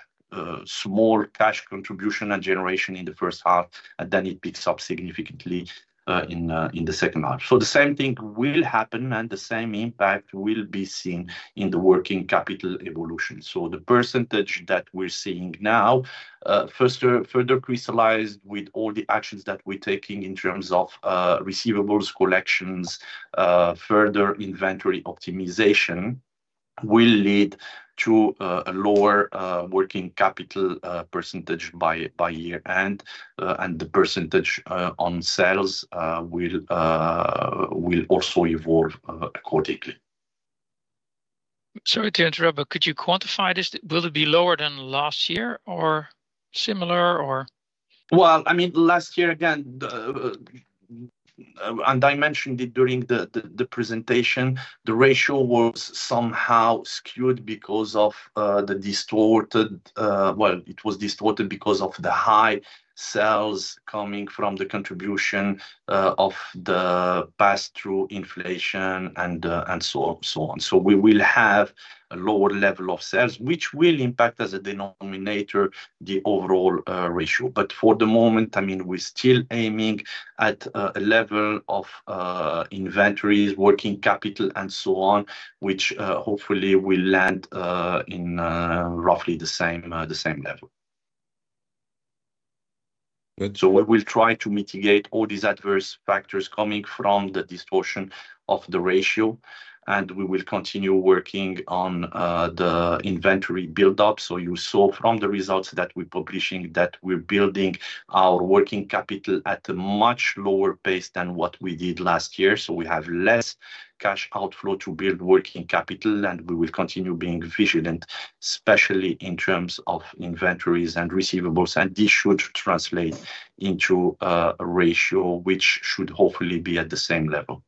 small cash contribution and generation in the first half, and then it picks up significantly in the second half. The same thing will happen and the same impact will be seen in the working capital evolution. So the percentage that we're seeing now, further crystallized with all the actions that we're taking in terms of receivables, collections, further inventory optimization, will lead to a lower working capital percentage by year-end, and the percentage on sales will also evolve accordingly. Sorry to interrupt, but could you quantify this? Will it be lower than last year or similar? Well, I mean, last year, again, and I mentioned it during the presentation, the ratio was somehow skewed because of the distorted, well, it was distorted because of the high sales coming from the contribution of the past through inflation and so on. So we will have a lower level of sales, which will impact as a denominator the overall ratio. But for the moment, I mean, we're still aiming at a level of inventories, working capital, and so on, which hopefully will land in roughly the same level. So we will try to mitigate all these adverse factors coming from the distortion of the ratio, and we will continue working on the inventory build-up. So you saw from the results that we're publishing that we're building our working capital at a much lower pace than what we did last year. So we have less cash outflow to build working capital, and we will continue being vigilant, especially in terms of inventories and receivables. And this should translate into a ratio which should hopefully be at the same level.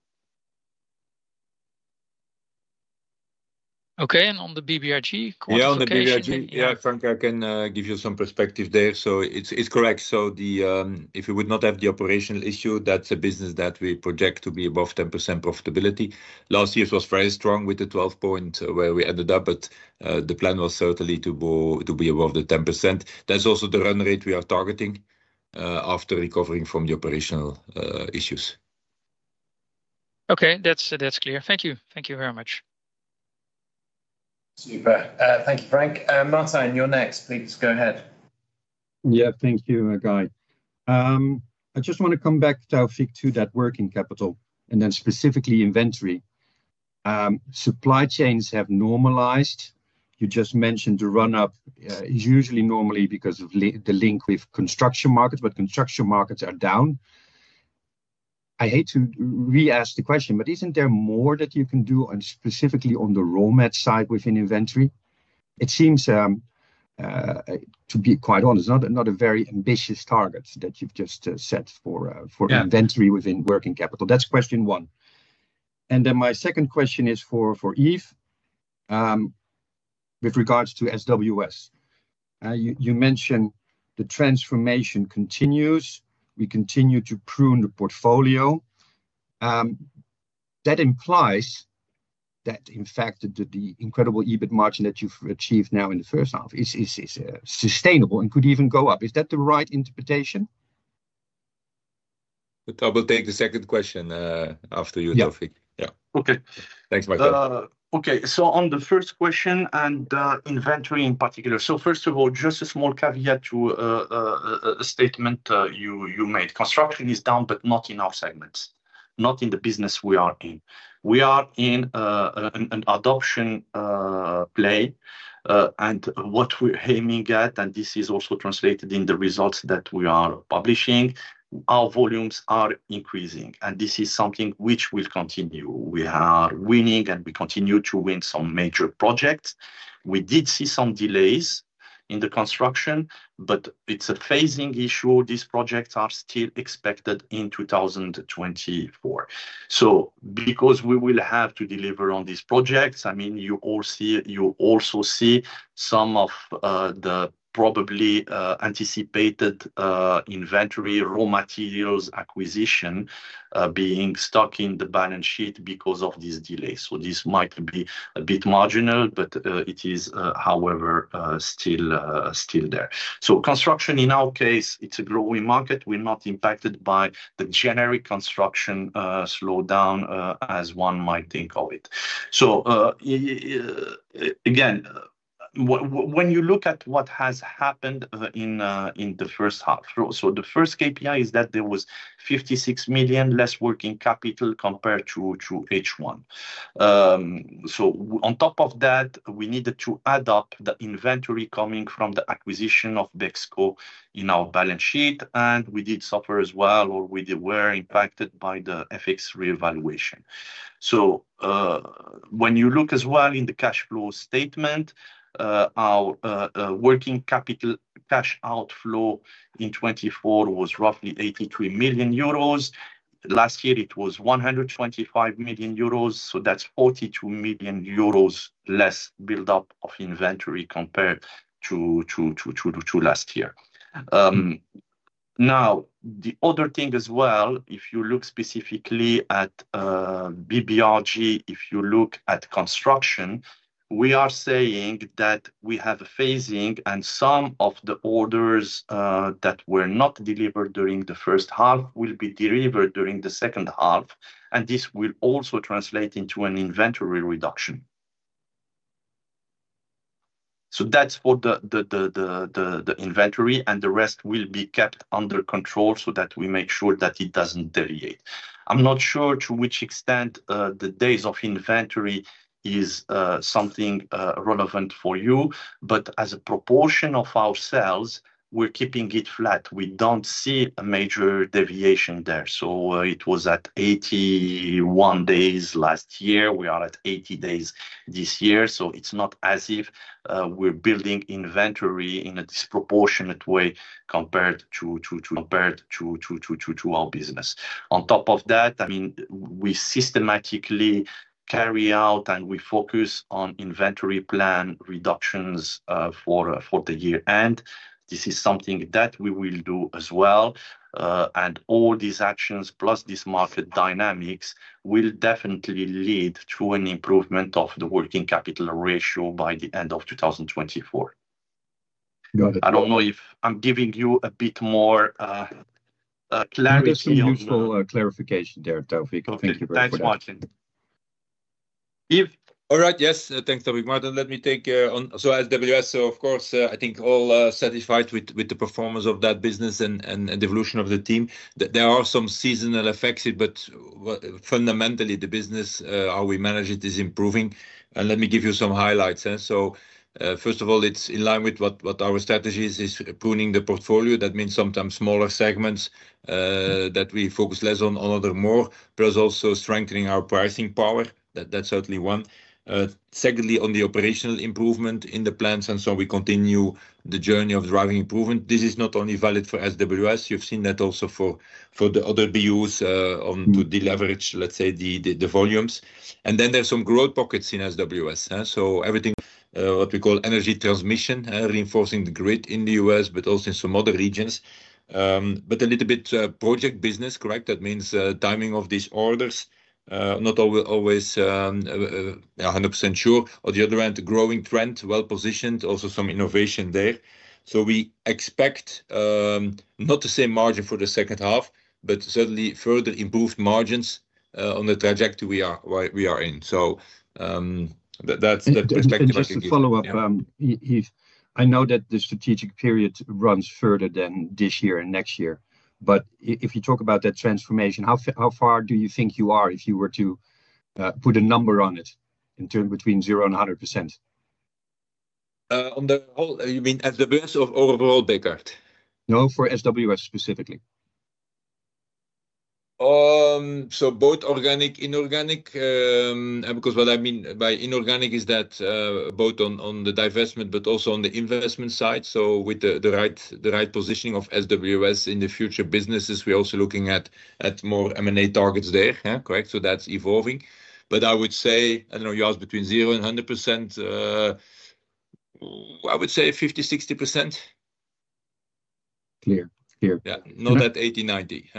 Okay. And on the BBRG question? Yeah, on the BBRG, yeah, Frank, I can give you some perspective there. So it's correct. So if we would not have the operational issue, that's a business that we project to be above 10% profitability. Last year was very strong with the 12% where we ended up, but the plan was certainly to be above the 10%. That's also the run rate we are targeting after recovering from the operational issues. Okay, that's clear. Thank you. Thank you very much. Super. Thank you, Frank. Martin, you're next. Please go ahead. Yeah, thank you, Guy. I just want to come back to Taoufiq to that working capital and then specifically inventory. Supply chains have normalized. You just mentioned the run-up is usually normally because of the link with construction markets, but construction markets are down. I hate to re-ask the question, but isn't there more that you can do specifically on the raw metal side within inventory? It seems, to be quite honest, not a very ambitious target that you've just set for inventory within working capital. That's question one. And then my second question is for Yves with regards to SWS. You mentioned the transformation continues. We continue to prune the portfolio. That implies that, in fact, the incredible EBIT margin that you've achieved now in the first half is sustainable and could even go up. Is that the right interpretation? I will take the second question after you, Taoufiq. Yeah. Okay. Thanks, Martin. Okay. So on the first question and inventory in particular, so first of all, just a small caveat to a statement you made. Construction is down, but not in our segments, not in the business we are in. We are in an adoption play. And what we're aiming at, and this is also translated in the results that we are publishing, our volumes are increasing. And this is something which will continue. We are winning and we continue to win some major projects. We did see some delays in the construction, but it's a phasing issue. These projects are still expected in 2024. So because we will have to deliver on these projects, I mean, you also see some of the probably anticipated inventory raw materials acquisition being stuck in the balance sheet because of this delay. So this might be a bit marginal, but it is, however, still there. So construction, in our case, it's a growing market. We're not impacted by the generic construction slowdown as one might think of it. So again, when you look at what has happened in the first half, so the first KPI is that there was 56 million less working capital compared to H1. So on top of that, we needed to add up the inventory coming from the acquisition of BEXCO in our balance sheet, and we did suffer as well, or we were impacted by the FX reevaluation. So when you look as well in the cash flow statement, our working capital cash outflow in 2024 was roughly €83 million. Last year, it was €125 million. So that's €42 million less build-up of inventory compared to last year. Now, the other thing as well, if you look specifically at BBRG, if you look at construction, we are saying that we have a phasing and some of the orders that were not delivered during the first half will be delivered during the second half. And this will also translate into an inventory reduction. So that's for the inventory, and the rest will be kept under control so that we make sure that it doesn't deviate. I'm not sure to which extent the days of inventory is something relevant for you, but as a proportion of our sales, we're keeping it flat. We don't see a major deviation there. So it was at 81 days last year. We are at 80 days this year. So it's not as if we're building inventory in a disproportionate way compared to our business. On top of that, I mean, we systematically carry out and we focus on inventory plan reductions for the year end. This is something that we will do as well. And all these actions, plus this market dynamics, will definitely lead to an improvement of the working capital ratio by the end of 2024. I don't know if I'm giving you a bit more clarity. That's a useful clarification there, Taoufiq. Thank you very much. Thanks for watching. Yves? All right. Yes. Thanks, Taoufiq. Martin, let me take on. So as SWS, of course, I think all satisfied with the performance of that business and the evolution of the team. There are some seasonal effects, but fundamentally, the business, how we manage it, is improving. And let me give you some highlights. So first of all, it's in line with what our strategy is, is pruning the portfolio. That means sometimes smaller segments that we focus less on, on other more, plus also strengthening our pricing power. That's certainly one. Secondly, on the operational improvement in the plants, and so we continue the journey of driving improvement. This is not only valid for SWS. You've seen that also for the other BUs on to deleverage, let's say, the volumes. And then there's some growth pockets in SWS. So everything what we call energy transmission, reinforcing the grid in the US, but also in some other regions. But a little bit project business, correct? That means timing of these orders. Not always 100% sure. On the other hand, growing trend, well positioned, also some innovation there. So we expect not the same margin for the second half, but certainly further improved margins on the trajectory we are in. So that's the perspective I can give. Just a follow-up, Yves. I know that the strategic period runs further than this year and next year. But if you talk about that transformation, how far do you think you are if you were to put a number on it between 0 and 100%? On the whole, you mean as the best of overall Bekaert? No, for SWS specifically. So both organic, inorganic. Because what I mean by inorganic is that both on the divestment, but also on the investment side. So with the right positioning of SWS in the future businesses, we're also looking at more M&A targets there, correct? So that's evolving. But I would say, I don't know, you asked between 0 and 100%, I would say 50, 60%. Clear. Yeah. Not at 80, 90.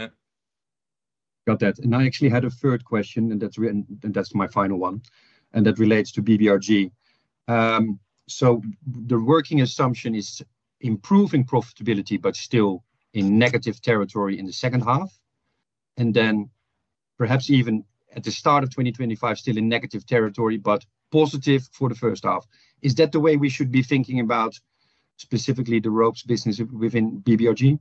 Got that. And I actually had a third question, and that's my final one. And that relates to BBRG. So the working assumption is improving profitability, but still in negative territory in the second half. And then perhaps even at the start of 2025, still in negative territory, but positive for the first half. Is that the way we should be thinking about specifically the ropes business within BBRG?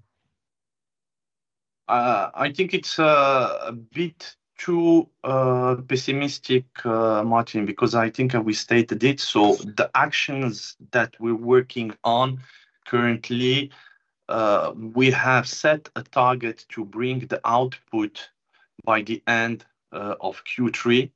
I think it's a bit too pessimistic, Martin, because I think we stated it. So the actions that we're working on currently, we have set a target to bring the output by the end of Q3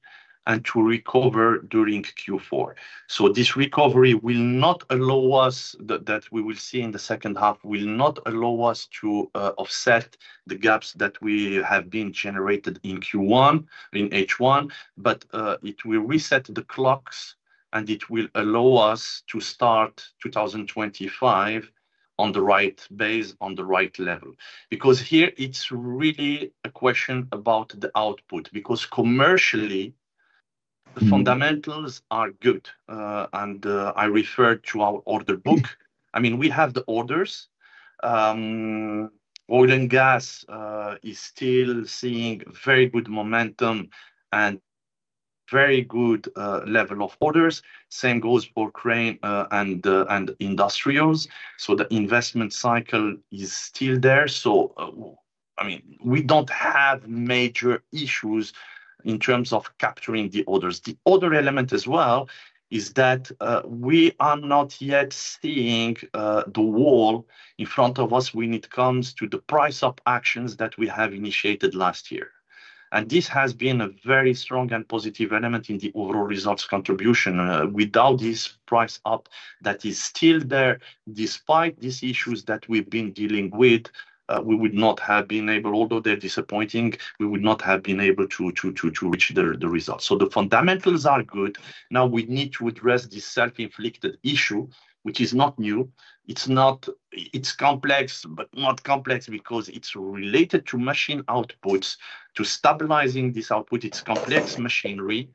and to recover during Q4. So this recovery will not allow us that we will see in the second half will not allow us to offset the gaps that we have been generated in Q1, in H1, but it will reset the clocks and it will allow us to start 2025 on the right base, on the right level. Because here, it's really a question about the output. Because commercially, the fundamentals are good. And I refer to our order book. I mean, we have the orders. Oil and gas is still seeing very good momentum and very good level of orders. Same goes for crane and industrials. So the investment cycle is still there. So I mean, we don't have major issues in terms of capturing the orders. The other element as well is that we are not yet seeing the wall in front of us when it comes to the price-up actions that we have initiated last year. And this has been a very strong and positive element in the overall results contribution. Without this price-up that is still there, despite these issues that we've been dealing with, we would not have been able, although they're disappointing, we would not have been able to reach the results. So the fundamentals are good. Now, we need to address this self-inflicted issue, which is not new. It's complex, but not complex because it's related to machine outputs. To stabilizing this output, it's complex machinery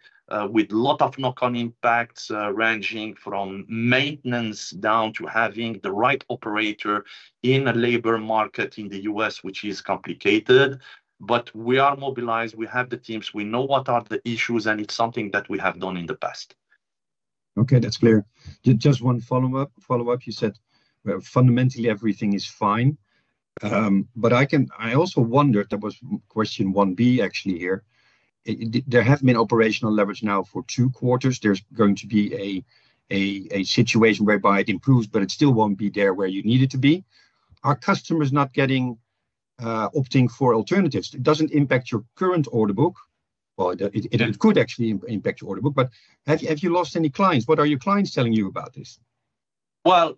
with a lot of knock-on impacts ranging from maintenance down to having the right operator in a labor market in the U.S., which is complicated. But we are mobilized. We have the teams. We know what are the issues, and it's something that we have done in the past. Okay, that's clear. Just one follow-up. You said fundamentally everything is fine. But I also wondered, that was question 1B actually here. There have been operational leverage now for two quarters. There's going to be a situation whereby it improves, but it still won't be there where you need it to be. Are customers not opting for alternatives? It doesn't impact your current order book. Well, it could actually impact your order book, but have you lost any clients? What are your clients telling you about this? Well,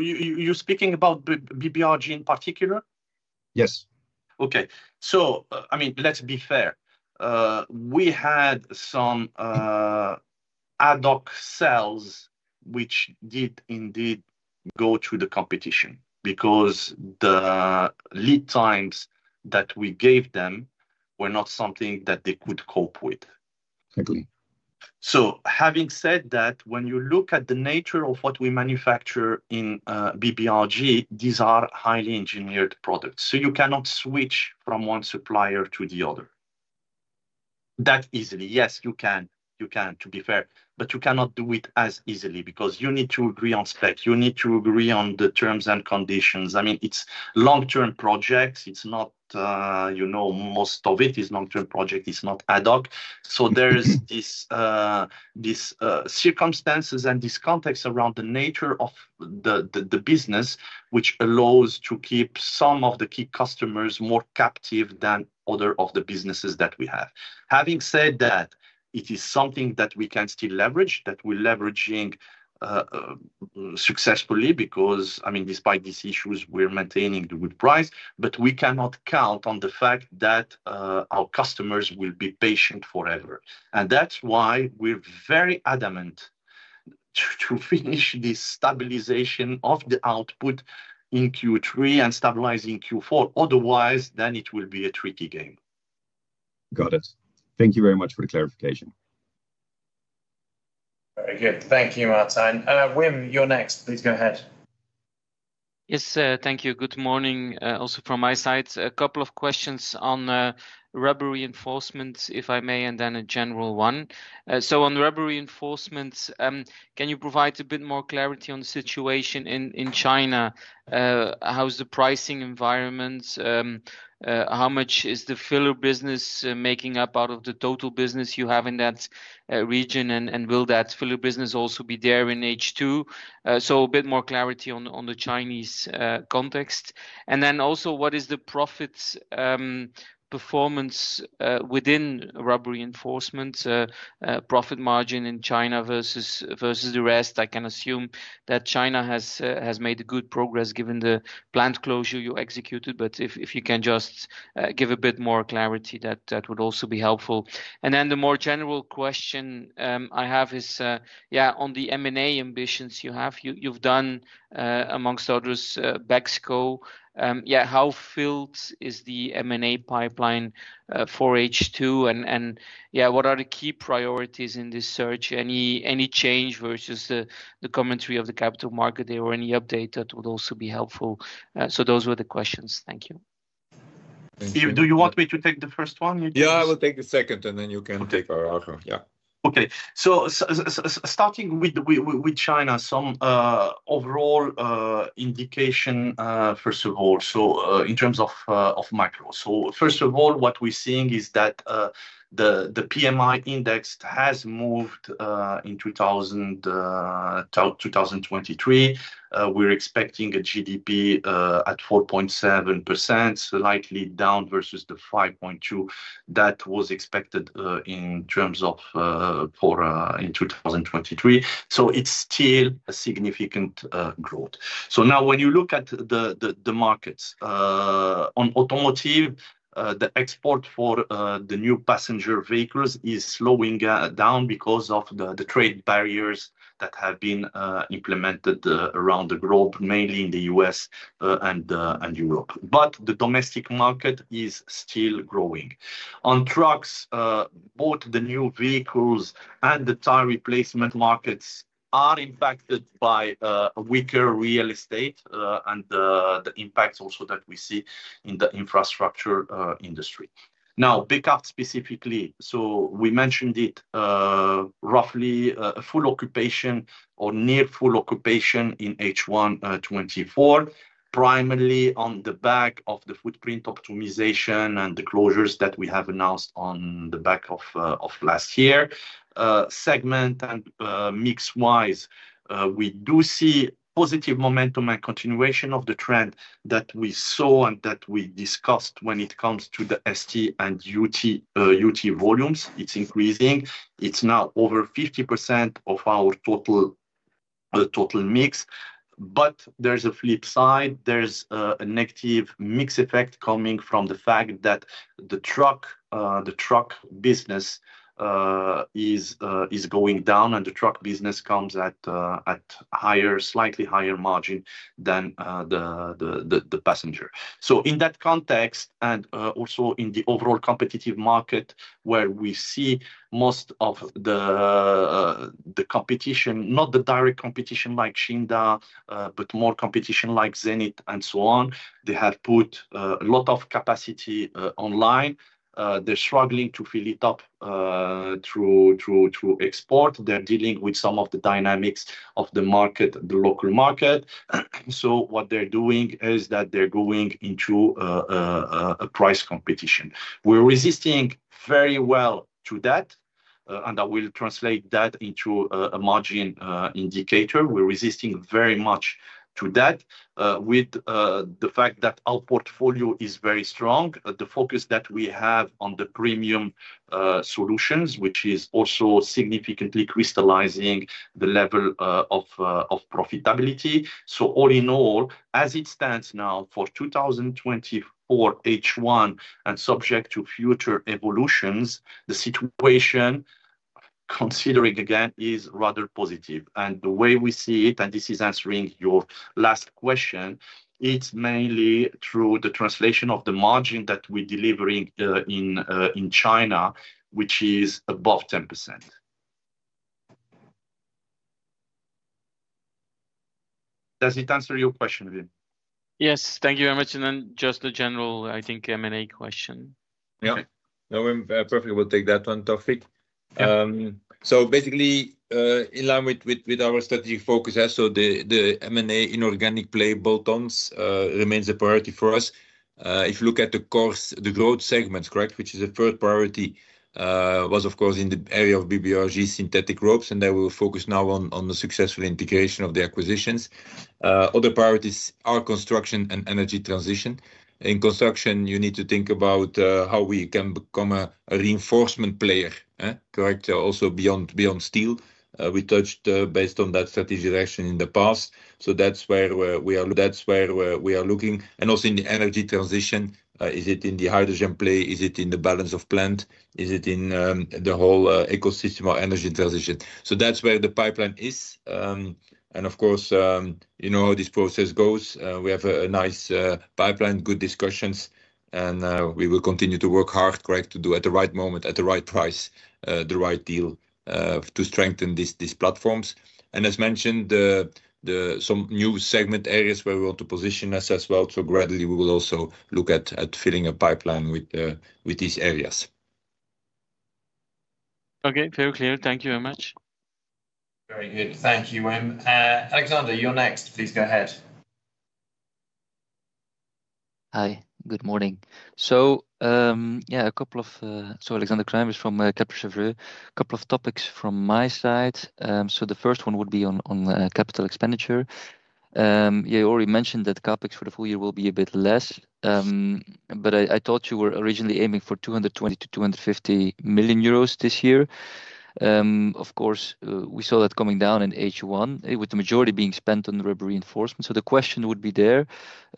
you're speaking about BBRG in particular? Yes. Okay. So I mean, let's be fair. We had some ad hoc sales which did indeed go to the competition because the lead times that we gave them were not something that they could cope with. So having said that, when you look at the nature of what we manufacture in BBRG, these are highly engineered products. So you cannot switch from one supplier to the other that easily. Yes, you can. You can, to be fair. But you cannot do it as easily because you need to agree on specs. You need to agree on the terms and conditions. I mean, it's long-term projects. Most of it is long-term projects. It's not ad hoc. So there's these circumstances and these contexts around the nature of the business, which allows to keep some of the key customers more captive than other of the businesses that we have. Having said that, it is something that we can still leverage, that we're leveraging successfully because, I mean, despite these issues, we're maintaining the good price. But we cannot count on the fact that our customers will be patient forever. And that's why we're very adamant to finish this stabilization of the output in Q3 and stabilizing Q4. Otherwise, then it will be a tricky game. Got it. Thank you very much for the clarification. Very good. Thank you, Martin. Wim, you're next. Please go ahead. Yes, thank you. Good morning also from my side. A couple of questions on rubber reinforcement, if I may, and then a general one. So on rubber reinforcements, can you provide a bit more clarity on the situation in China? How's the pricing environment? How much is the filler business making up out of the total business you have in that region? Will that filler business also be there in H2? So a bit more clarity on the Chinese context. And then also, what is the profit performance within rubber reinforcement, profit margin in China versus the rest? I can assume that China has made good progress given the plant closure you executed. But if you can just give a bit more clarity, that would also be helpful. And then the more general question I have is, yeah, on the M&A ambitions you have, you've done, amongst others, BEXCO. Yeah, how filled is the M&A pipeline for H2? And yeah, what are the key priorities in this search? Any change versus the commentary of the capital market there or any update that would also be helpful? So those were the questions. Thank you. Do you want me to take the first one? Yeah, I will take the second, and then you can take our offer. Yeah. Okay. So starting with China, some overall indication, first of all, so in terms of macro. So first of all, what we're seeing is that the PMI index has moved in 2023. We're expecting a GDP at 4.7%, slightly down versus the 5.2% that was expected in terms of in 2023. So it's still a significant growth. So now, when you look at the markets, on automotive, the export for the new passenger vehicles is slowing down because of the trade barriers that have been implemented around the globe, mainly in the U.S. and Europe. But the domestic market is still growing. On trucks, both the new vehicles and the tire replacement markets are impacted by weaker real estate and the impacts also that we see in the infrastructure industry. Now, pickup specifically, so we mentioned it roughly a full occupation or near full occupation in H124, primarily on the back of the footprint optimization and the closures that we have announced on the back of last year. Segment and mix-wise, we do see positive momentum and continuation of the trend that we saw and that we discussed when it comes to the ST and UT volumes. It's increasing. It's now over 50% of our total mix. But there's a flip side. There's a negative mix effect coming from the fact that the truck business is going down, and the truck business comes at slightly higher margin than the passenger. So in that context, and also in the overall competitive market, where we see most of the competition, not the direct competition like Xingda, but more competition like Zenith and so on, they have put a lot of capacity online. They're struggling to fill it up through export. They're dealing with some of the dynamics of the local market. So what they're doing is that they're going into a price competition. We're resisting very well to that, and I will translate that into a margin indicator. We're resisting very much to that with the fact that our portfolio is very strong. The focus that we have on the premium solutions, which is also significantly crystallizing the level of profitability. So all in all, as it stands now for 2024 H1 and subject to future evolutions, the situation, considering again, is rather positive. And the way we see it, and this is answering your last question, it's mainly through the translation of the margin that we're delivering in China, which is above 10%. Does it answer your question, Wim? Yes. Thank you very much. And then just a general, I think, M&A question. Yeah. No, Wim, perfect. We'll take that one, Taoufiq. So basically, in line with our strategic focus, so the M&A inorganic play bolt-ons remains a priority for us. If you look at the growth segments, correct, which is a third priority, was, of course, in the area of BBRG synthetic ropes. And then we will focus now on the successful integration of the acquisitions. Other priorities are construction and energy transition. In construction, you need to think about how we can become a reinforcement player, correct? Also beyond steel. We touched based on that strategic direction in the past. So that's where we are. That's where we are looking. And also in the energy transition, is it in the hydrogen play? Is it in the balance of plant? Is it in the whole ecosystem or energy transition? So that's where the pipeline is. And of course, you know how this process goes. We have a nice pipeline, good discussions. And we will continue to work hard, correct, to do at the right moment, at the right price, the right deal to strengthen these platforms. And as mentioned, some new segment areas where we want to position us as well. So gradually, we will also look at filling a pipeline with these areas. Okay. Very clear. Thank you very much. Very good. Thank you, Wim. Alexander, you're next. Please go ahead. Hi. Good morning. Alexander Kramer from Kepler Cheuvreux. A couple of topics from my side. So the first one would be on capital expenditure. Yeah, you already mentioned that CapEx for the full year will be a bit less. But I thought you were originally aiming for 220 million-250 million euros this year. Of course, we saw that coming down in H1, with the majority being spent on rubber reinforcement. So the question would be there,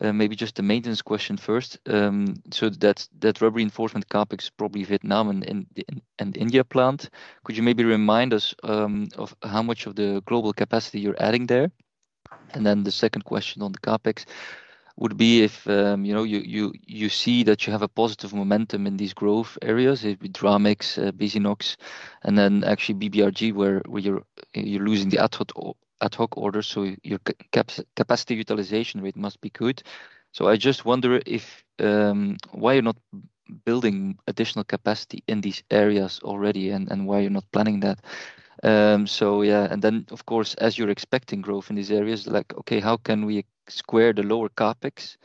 maybe just the maintenance question first. So that rubber reinforcement CapEx is probably Vietnam and India plant. Could you maybe remind us of how much of the global capacity you're adding there? And then the second question on the CapEx would be if you see that you have a positive momentum in these growth areas, Dramix, Bezinox, and then actually BBRG, where you're losing the ad hoc orders. So your capacity utilization rate must be good. So I just wonder why you're not building additional capacity in these areas already and why you're not planning that. So yeah. And then, of course, as you're expecting growth in these areas, like, okay, how can we square the lower CapEx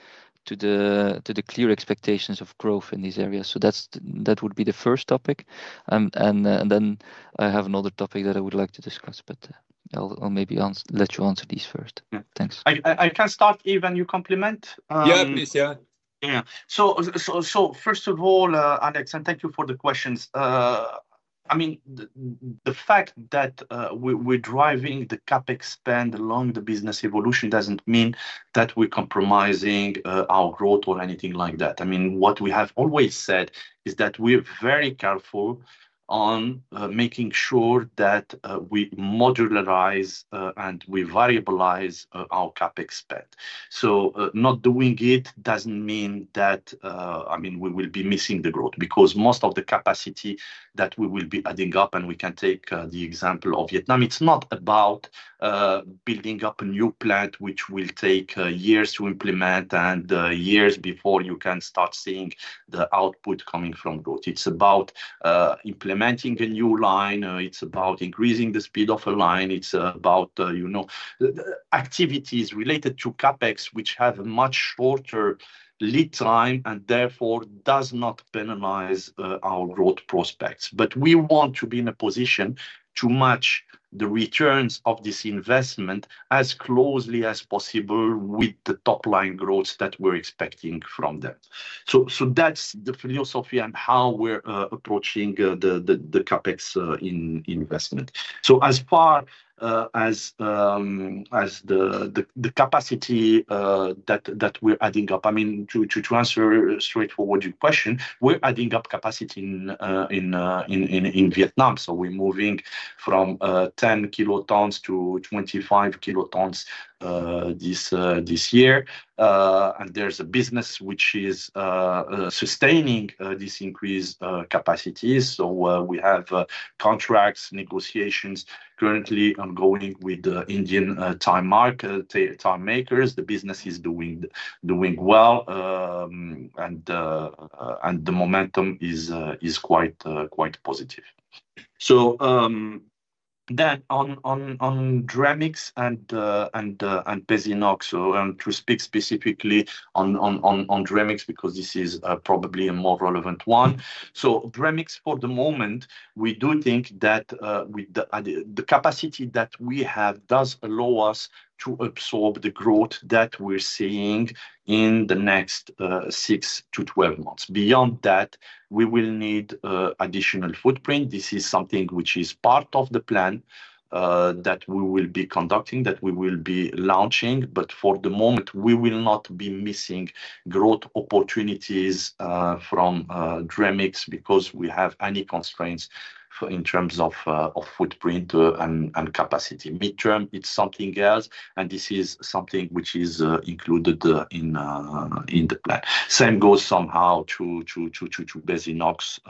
to the clear expectations of growth in these areas? So that would be the first topic. And then I have another topic that I would like to discuss, but I'll maybe let you answer these first. Thanks. I can start, and you complement. Yeah, please. Yeah. So first of all, Alex, and thank you for the questions. I mean, the fact that we're driving the CapEx spend along the business evolution doesn't mean that we're compromising our growth or anything like that. I mean, what we have always said is that we're very careful on making sure that we modularize and we variabilize our CapEx spend. So not doing it doesn't mean that, I mean, we will be missing the growth because most of the capacity that we will be adding up, and we can take the example of Vietnam, it's not about building up a new plant which will take years to implement and years before you can start seeing the output coming from growth. It's about implementing a new line. It's about increasing the speed of a line. It's about activities related to CapEx, which have a much shorter lead time and therefore does not penalize our growth prospects. But we want to be in a position to match the returns of this investment as closely as possible with the top-line growth that we're expecting from them. So that's the philosophy and how we're approaching the CapEx investment. As far as the capacity that we're adding up, I mean, to answer a straightforward question, we're adding up capacity in Vietnam. So we're moving from 10 kilotons to 25 kilotons this year. And there's a business which is sustaining this increased capacity. So we have contracts, negotiations currently ongoing with the Indian tire makers. The business is doing well. And the momentum is quite positive. So then on Dramix and Bezinox, to speak specifically on Dramix because this is probably a more relevant one. So Dramix, for the moment, we do think that the capacity that we have does allow us to absorb the growth that we're seeing in the next six to 12 months. Beyond that, we will need additional footprint. This is something which is part of the plan that we will be conducting, that we will be launching. But for the moment, we will not be missing growth opportunities from Dramix because we have any constraints in terms of footprint and capacity. Midterm, it's something else. This is something which is included in the plan. Same goes somehow to Bezinox.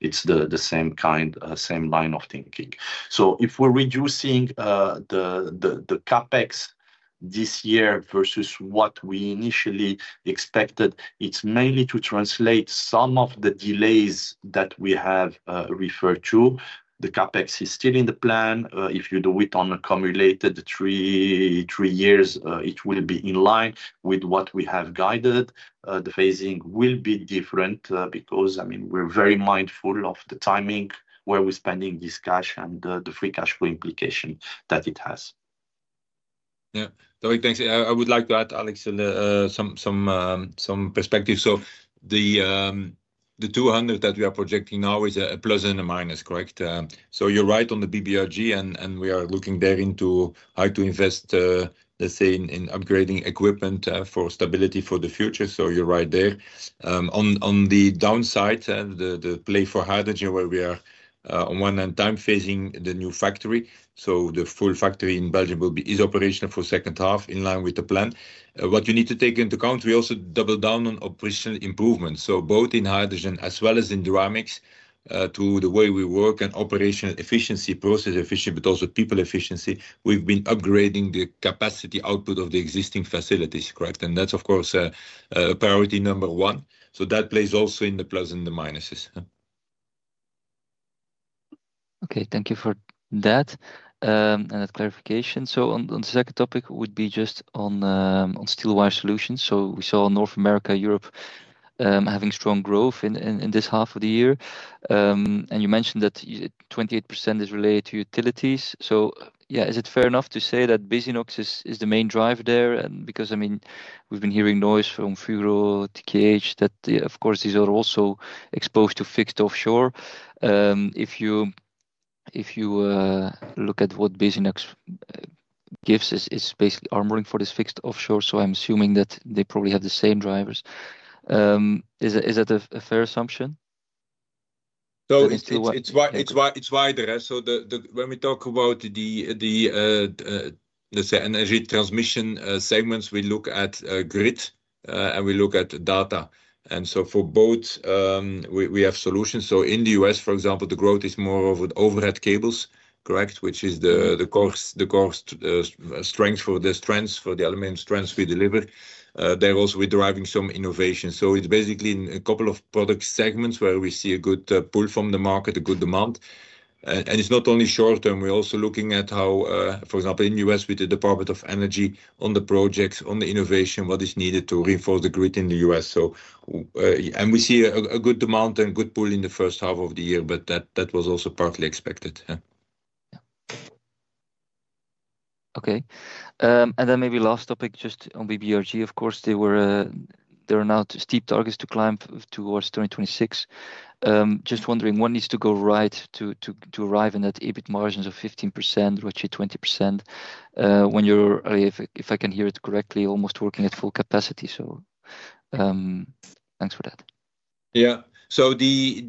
It's the same kind, same line of thinking. So if we're reducing the CapEx this year versus what we initially expected, it's mainly to translate some of the delays that we have referred to. The CapEx is still in the plan. If you do it on accumulated three years, it will be in line with what we have guided. The phasing will be different because, I mean, we're very mindful of the timing where we're spending this cash and the free cash flow implication that it has. Yeah. Taoufiq, thanks. I would like to add, Alex, some perspective. So the 200 that we are projecting now is a plus and a minus, correct? So you're right on the BBRG, and we are looking there into how to invest, let's say, in upgrading equipment for stability for the future. So you're right there. On the downside, the play for hydrogen, where we are, on one hand, time phasing the new factory. So the full factory in Belgium is operational for the second half, in line with the plan. What you need to take into account, we also doubled down on operational improvements. So both in hydrogen as well as in Dramix, through the way we work and operational efficiency, process efficiency, but also people efficiency, we've been upgrading the capacity output of the existing facilities, correct? And that's, of course, a priority number one. So that plays also in the plus and the minuses. Okay. Thank you for that and that clarification. So on the second topic would be just on steel wire solutions. So we saw North America, Europe, having strong growth in this half of the year. And you mentioned that 28% is related to utilities. So yeah, is it fair enough to say that Bezinox is the main driver there? Because, I mean, we've been hearing noise from Fugro to KBC that, of course, these are also exposed to fixed offshore. If you look at what Bezinox gives, it's basically armoring for this fixed offshore. So I'm assuming that they probably have the same drivers. Is that a fair assumption? So it's wider. So when we talk about the energy transmission segments, we look at grid and we look at data. And so for both, we have solutions. So in the US, for example, the growth is more of overhead cables, correct, which is the core strength for the strengths for the aluminum strengths we deliver. There also, we're driving some innovation. So it's basically a couple of product segments where we see a good pull from the market, a good demand. And it's not only short term. We're also looking at how, for example, in the US, with the Department of Energy, on the projects, on the innovation, what is needed to reinforce the grid in the US. And we see a good demand and good pull in the first half of the year, but that was also partly expected. Yeah. Okay. And then maybe last topic, just on BBRG, of course, there are now steep targets to climb towards 2026. Just wondering what needs to go right to arrive at that EBIT margins of 15%, reaching 20% when you're, if I can hear it correctly, almost working at full capacity. So thanks for that. Yeah. So the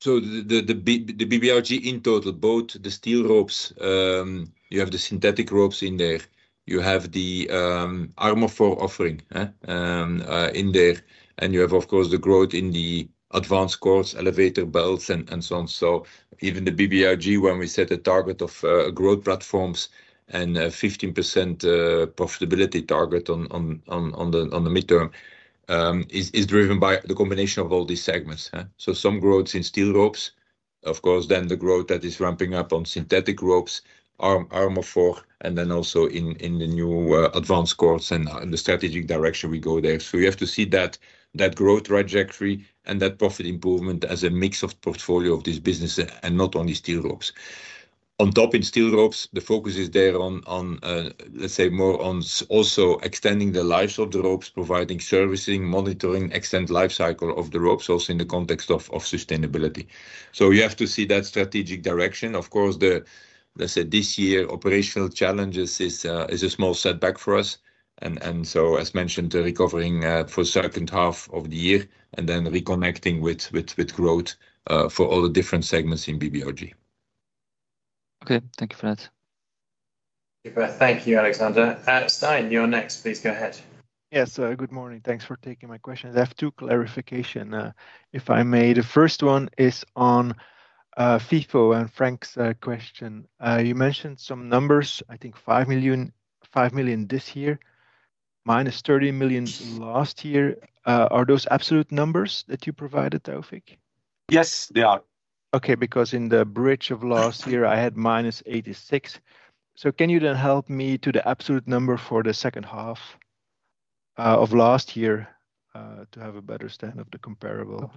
BBRG in total, both the steel ropes, you have the synthetic ropes in there. You have the Armofor offering in there. And you have, of course, the growth in the advanced cords, elevator belts, and so on. So even the BBRG, when we set a target of growth platforms and a 15% profitability target on the midterm, is driven by the combination of all these segments. So some growth in steel ropes, of course, then the growth that is ramping up on synthetic ropes, Armofor, and then also in the new advanced cords and the strategic direction we go there. So you have to see that growth trajectory and that profit improvement as a mix of portfolio of this business and not only steel ropes. On top in steel ropes, the focus is there on, let's say, more on also extending the lives of the ropes, providing servicing, monitoring, extend life cycle of the ropes also in the context of sustainability. So you have to see that strategic direction. Of course, let's say this year, operational challenges is a small setback for us. And so, as mentioned, recovering for the second half of the year and then reconnecting with growth for all the different segments in BBRG. Okay. Thank you for that. Thank you, Alexander. Simon, you're next. Please go ahead. Yes. Good morning. Thanks for taking my question. I have two clarifications, if I may. The first one is on FIFO and Frank's question. You mentioned some numbers, I think 5 million this year, -30 million last year. Are those absolute numbers that you provided, Taoufiq? Yes, they are. Okay. Because in the bridge of last year, I had -86 million. So can you then help me to the absolute number for the second half of last year to have a better understanding of the comparable?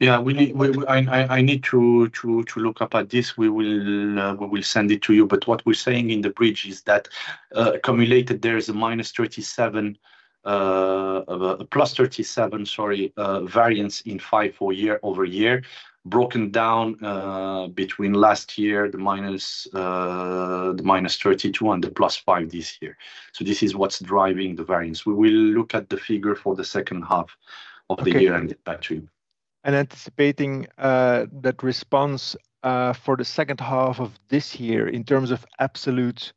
Yeah. I need to look this up. We will send it to you. But what we're saying in the bridge is that accumulated, there is a -37 million, +37 million, sorry, year-over-year variance, broken down between last year, the -32 million and the +5 million this year. So this is what's driving the variance. We will look at the figure for the second half of the year and thereafter. Anticipating that response for the second half of this year in terms of absolute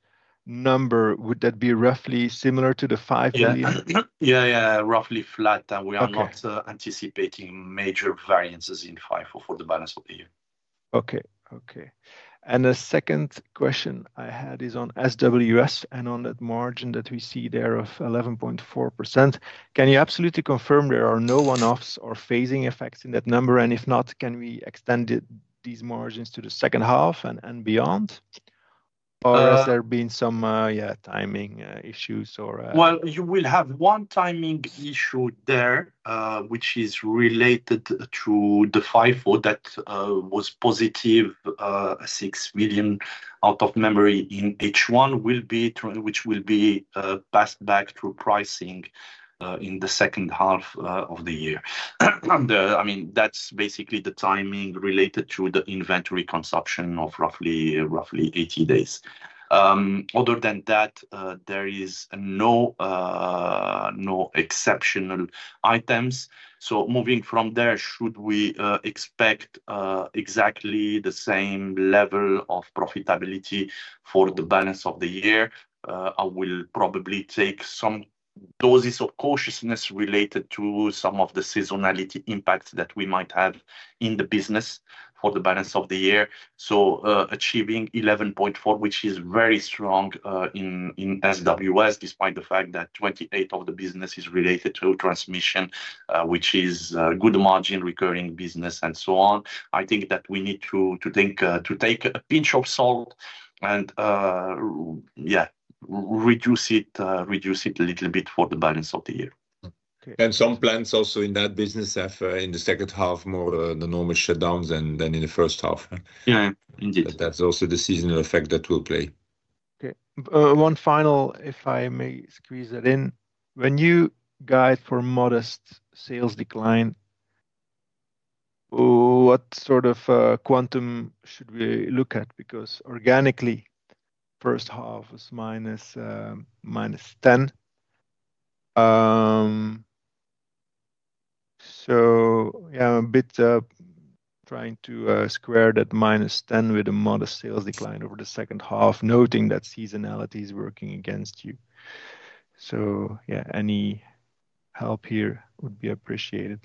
number, would that be roughly similar to the 5 million? Yeah, yeah, roughly flat. And we are not anticipating major variances in EUR 5 million for the balance of the year. Okay. Okay. And the second question I had is on SWS and on that margin that we see there of 11.4%. Can you absolutely confirm there are no one-offs or phasing effects in that number? And if not, can we extend these margins to the second half and beyond? Or has there been some, yeah, timing issues or? Well, you will have one timing issue there, which is related to the FIFO that was positive 6 million out of memory in H1, which will be passed back through pricing in the second half of the year. I mean, that's basically the timing related to the inventory consumption of roughly 80 days. Other than that, there is no exceptional items. So moving from there, should we expect exactly the same level of profitability for the balance of the year? I will probably take some doses of cautiousness related to some of the seasonality impacts that we might have in the business for the balance of the year. So achieving 11.4, which is very strong in SWS, despite the fact that 28 of the business is related to transmission, which is good margin, recurring business, and so on. I think that we need to take a pinch of salt and, yeah, reduce it a little bit for the balance of the year. And some plants also in that business have in the second half more than normal shutdowns than in the first half. Yeah, indeed. That's also the seasonal effect that will play. Okay. One final, if I may squeeze that in. When you guide for modest sales decline, what sort of quantum should we look at? Because organically, first half is -10%. So yeah, I'm a bit trying to square that -10% with a modest sales decline over the second half, noting that seasonality is working against you. So yeah, any help here would be appreciated.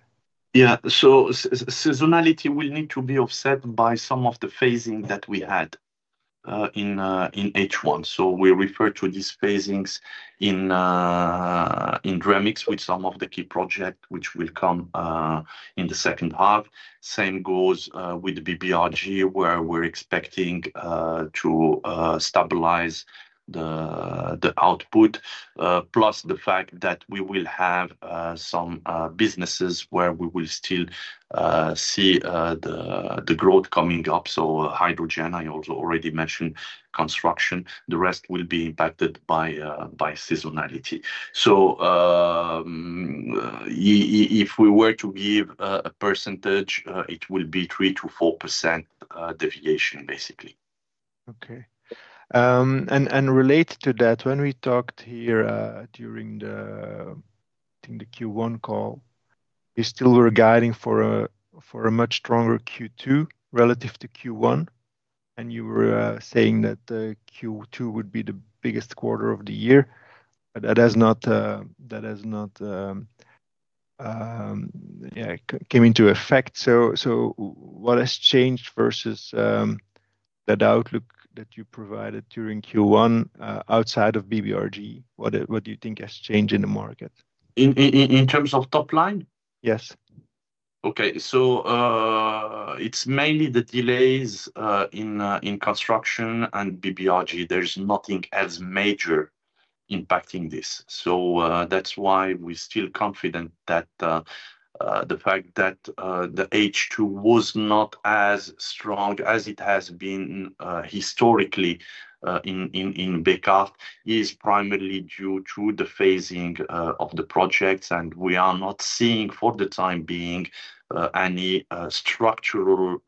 Yeah. So seasonality will need to be offset by some of the phasing that we had in H1. So we refer to these phasings in Dramix with some of the key projects which will come in the second half. Same goes with BBRG where we're expecting to stabilize the output, plus the fact that we will have some businesses where we will still see the growth coming up. So hydrogen, I also already mentioned construction. The rest will be impacted by seasonality. So if we were to give a percentage, it will be 3%-4% deviation, basically. Okay. And related to that, when we talked here during the Q1 call, you still were guiding for a much stronger Q2 relative to Q1. And you were saying that Q2 would be the biggest quarter of the year. That has not, yeah, come into effect. So what has changed versus that outlook that you provided during Q1 outside of BBRG? What do you think has changed in the market? In terms of top line? Yes. Okay. So it's mainly the delays in construction and BBRG. There's nothing as major impacting this. So that's why we're still confident that the fact that the H2 was not as strong as it has been historically in BK is primarily due to the phasing of the projects. We are not seeing for the time being any structural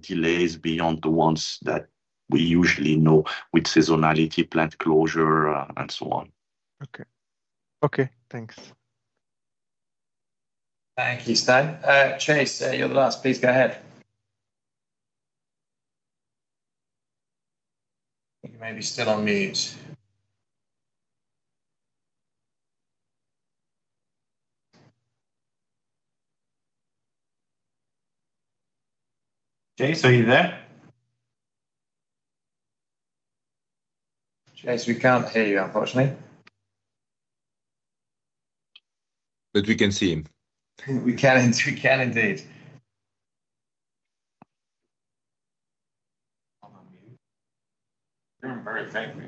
delays beyond the ones that we usually know with seasonality, plant closure, and so on. Okay. Okay. Thanks. Thank you, Simon. Chase, you're the last. Please go ahead. You may be still on mute. Chase, are you there? Chase, we can't hear you, unfortunately. But we can see him. We can indeed. You're on mute. You're on very faintly.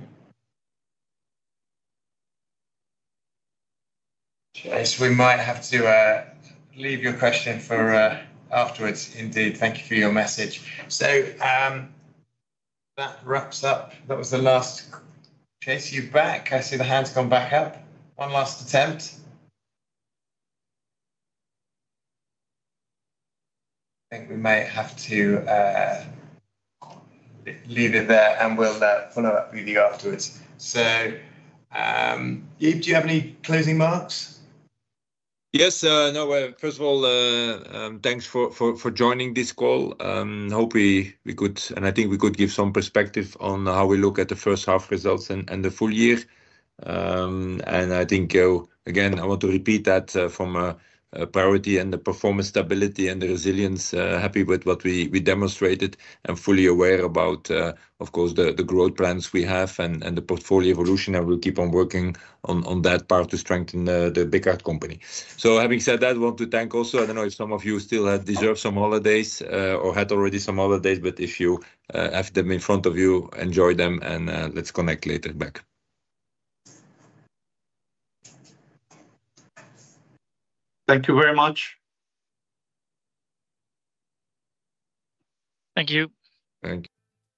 Chase, we might have to leave your question for afterwards. Indeed. Thank you for your message. That wraps up. That was the last. Chase, you're back. I see the hands come back up. One last attempt. I think we may have to leave it there, and we'll follow up with you afterwards. Yves, do you have any closing remarks? Yes. No. First of all, thanks for joining this call. hope we could, and I think we could give some perspective on how we look at the first half results and the full year. I think, again, I want to repeat that from a priority and the performance stability and the resilience, happy with what we demonstrated and fully aware about, of course, the growth plans we have and the portfolio evolution. We'll keep on working on that part to strengthen the BK company. Having said that, I want to thank also. I don't know if some of you still deserve some holidays or had already some holidays, but if you have them in front of you, enjoy them, and let's connect later back. Thank you very much. Thank you. Thank you.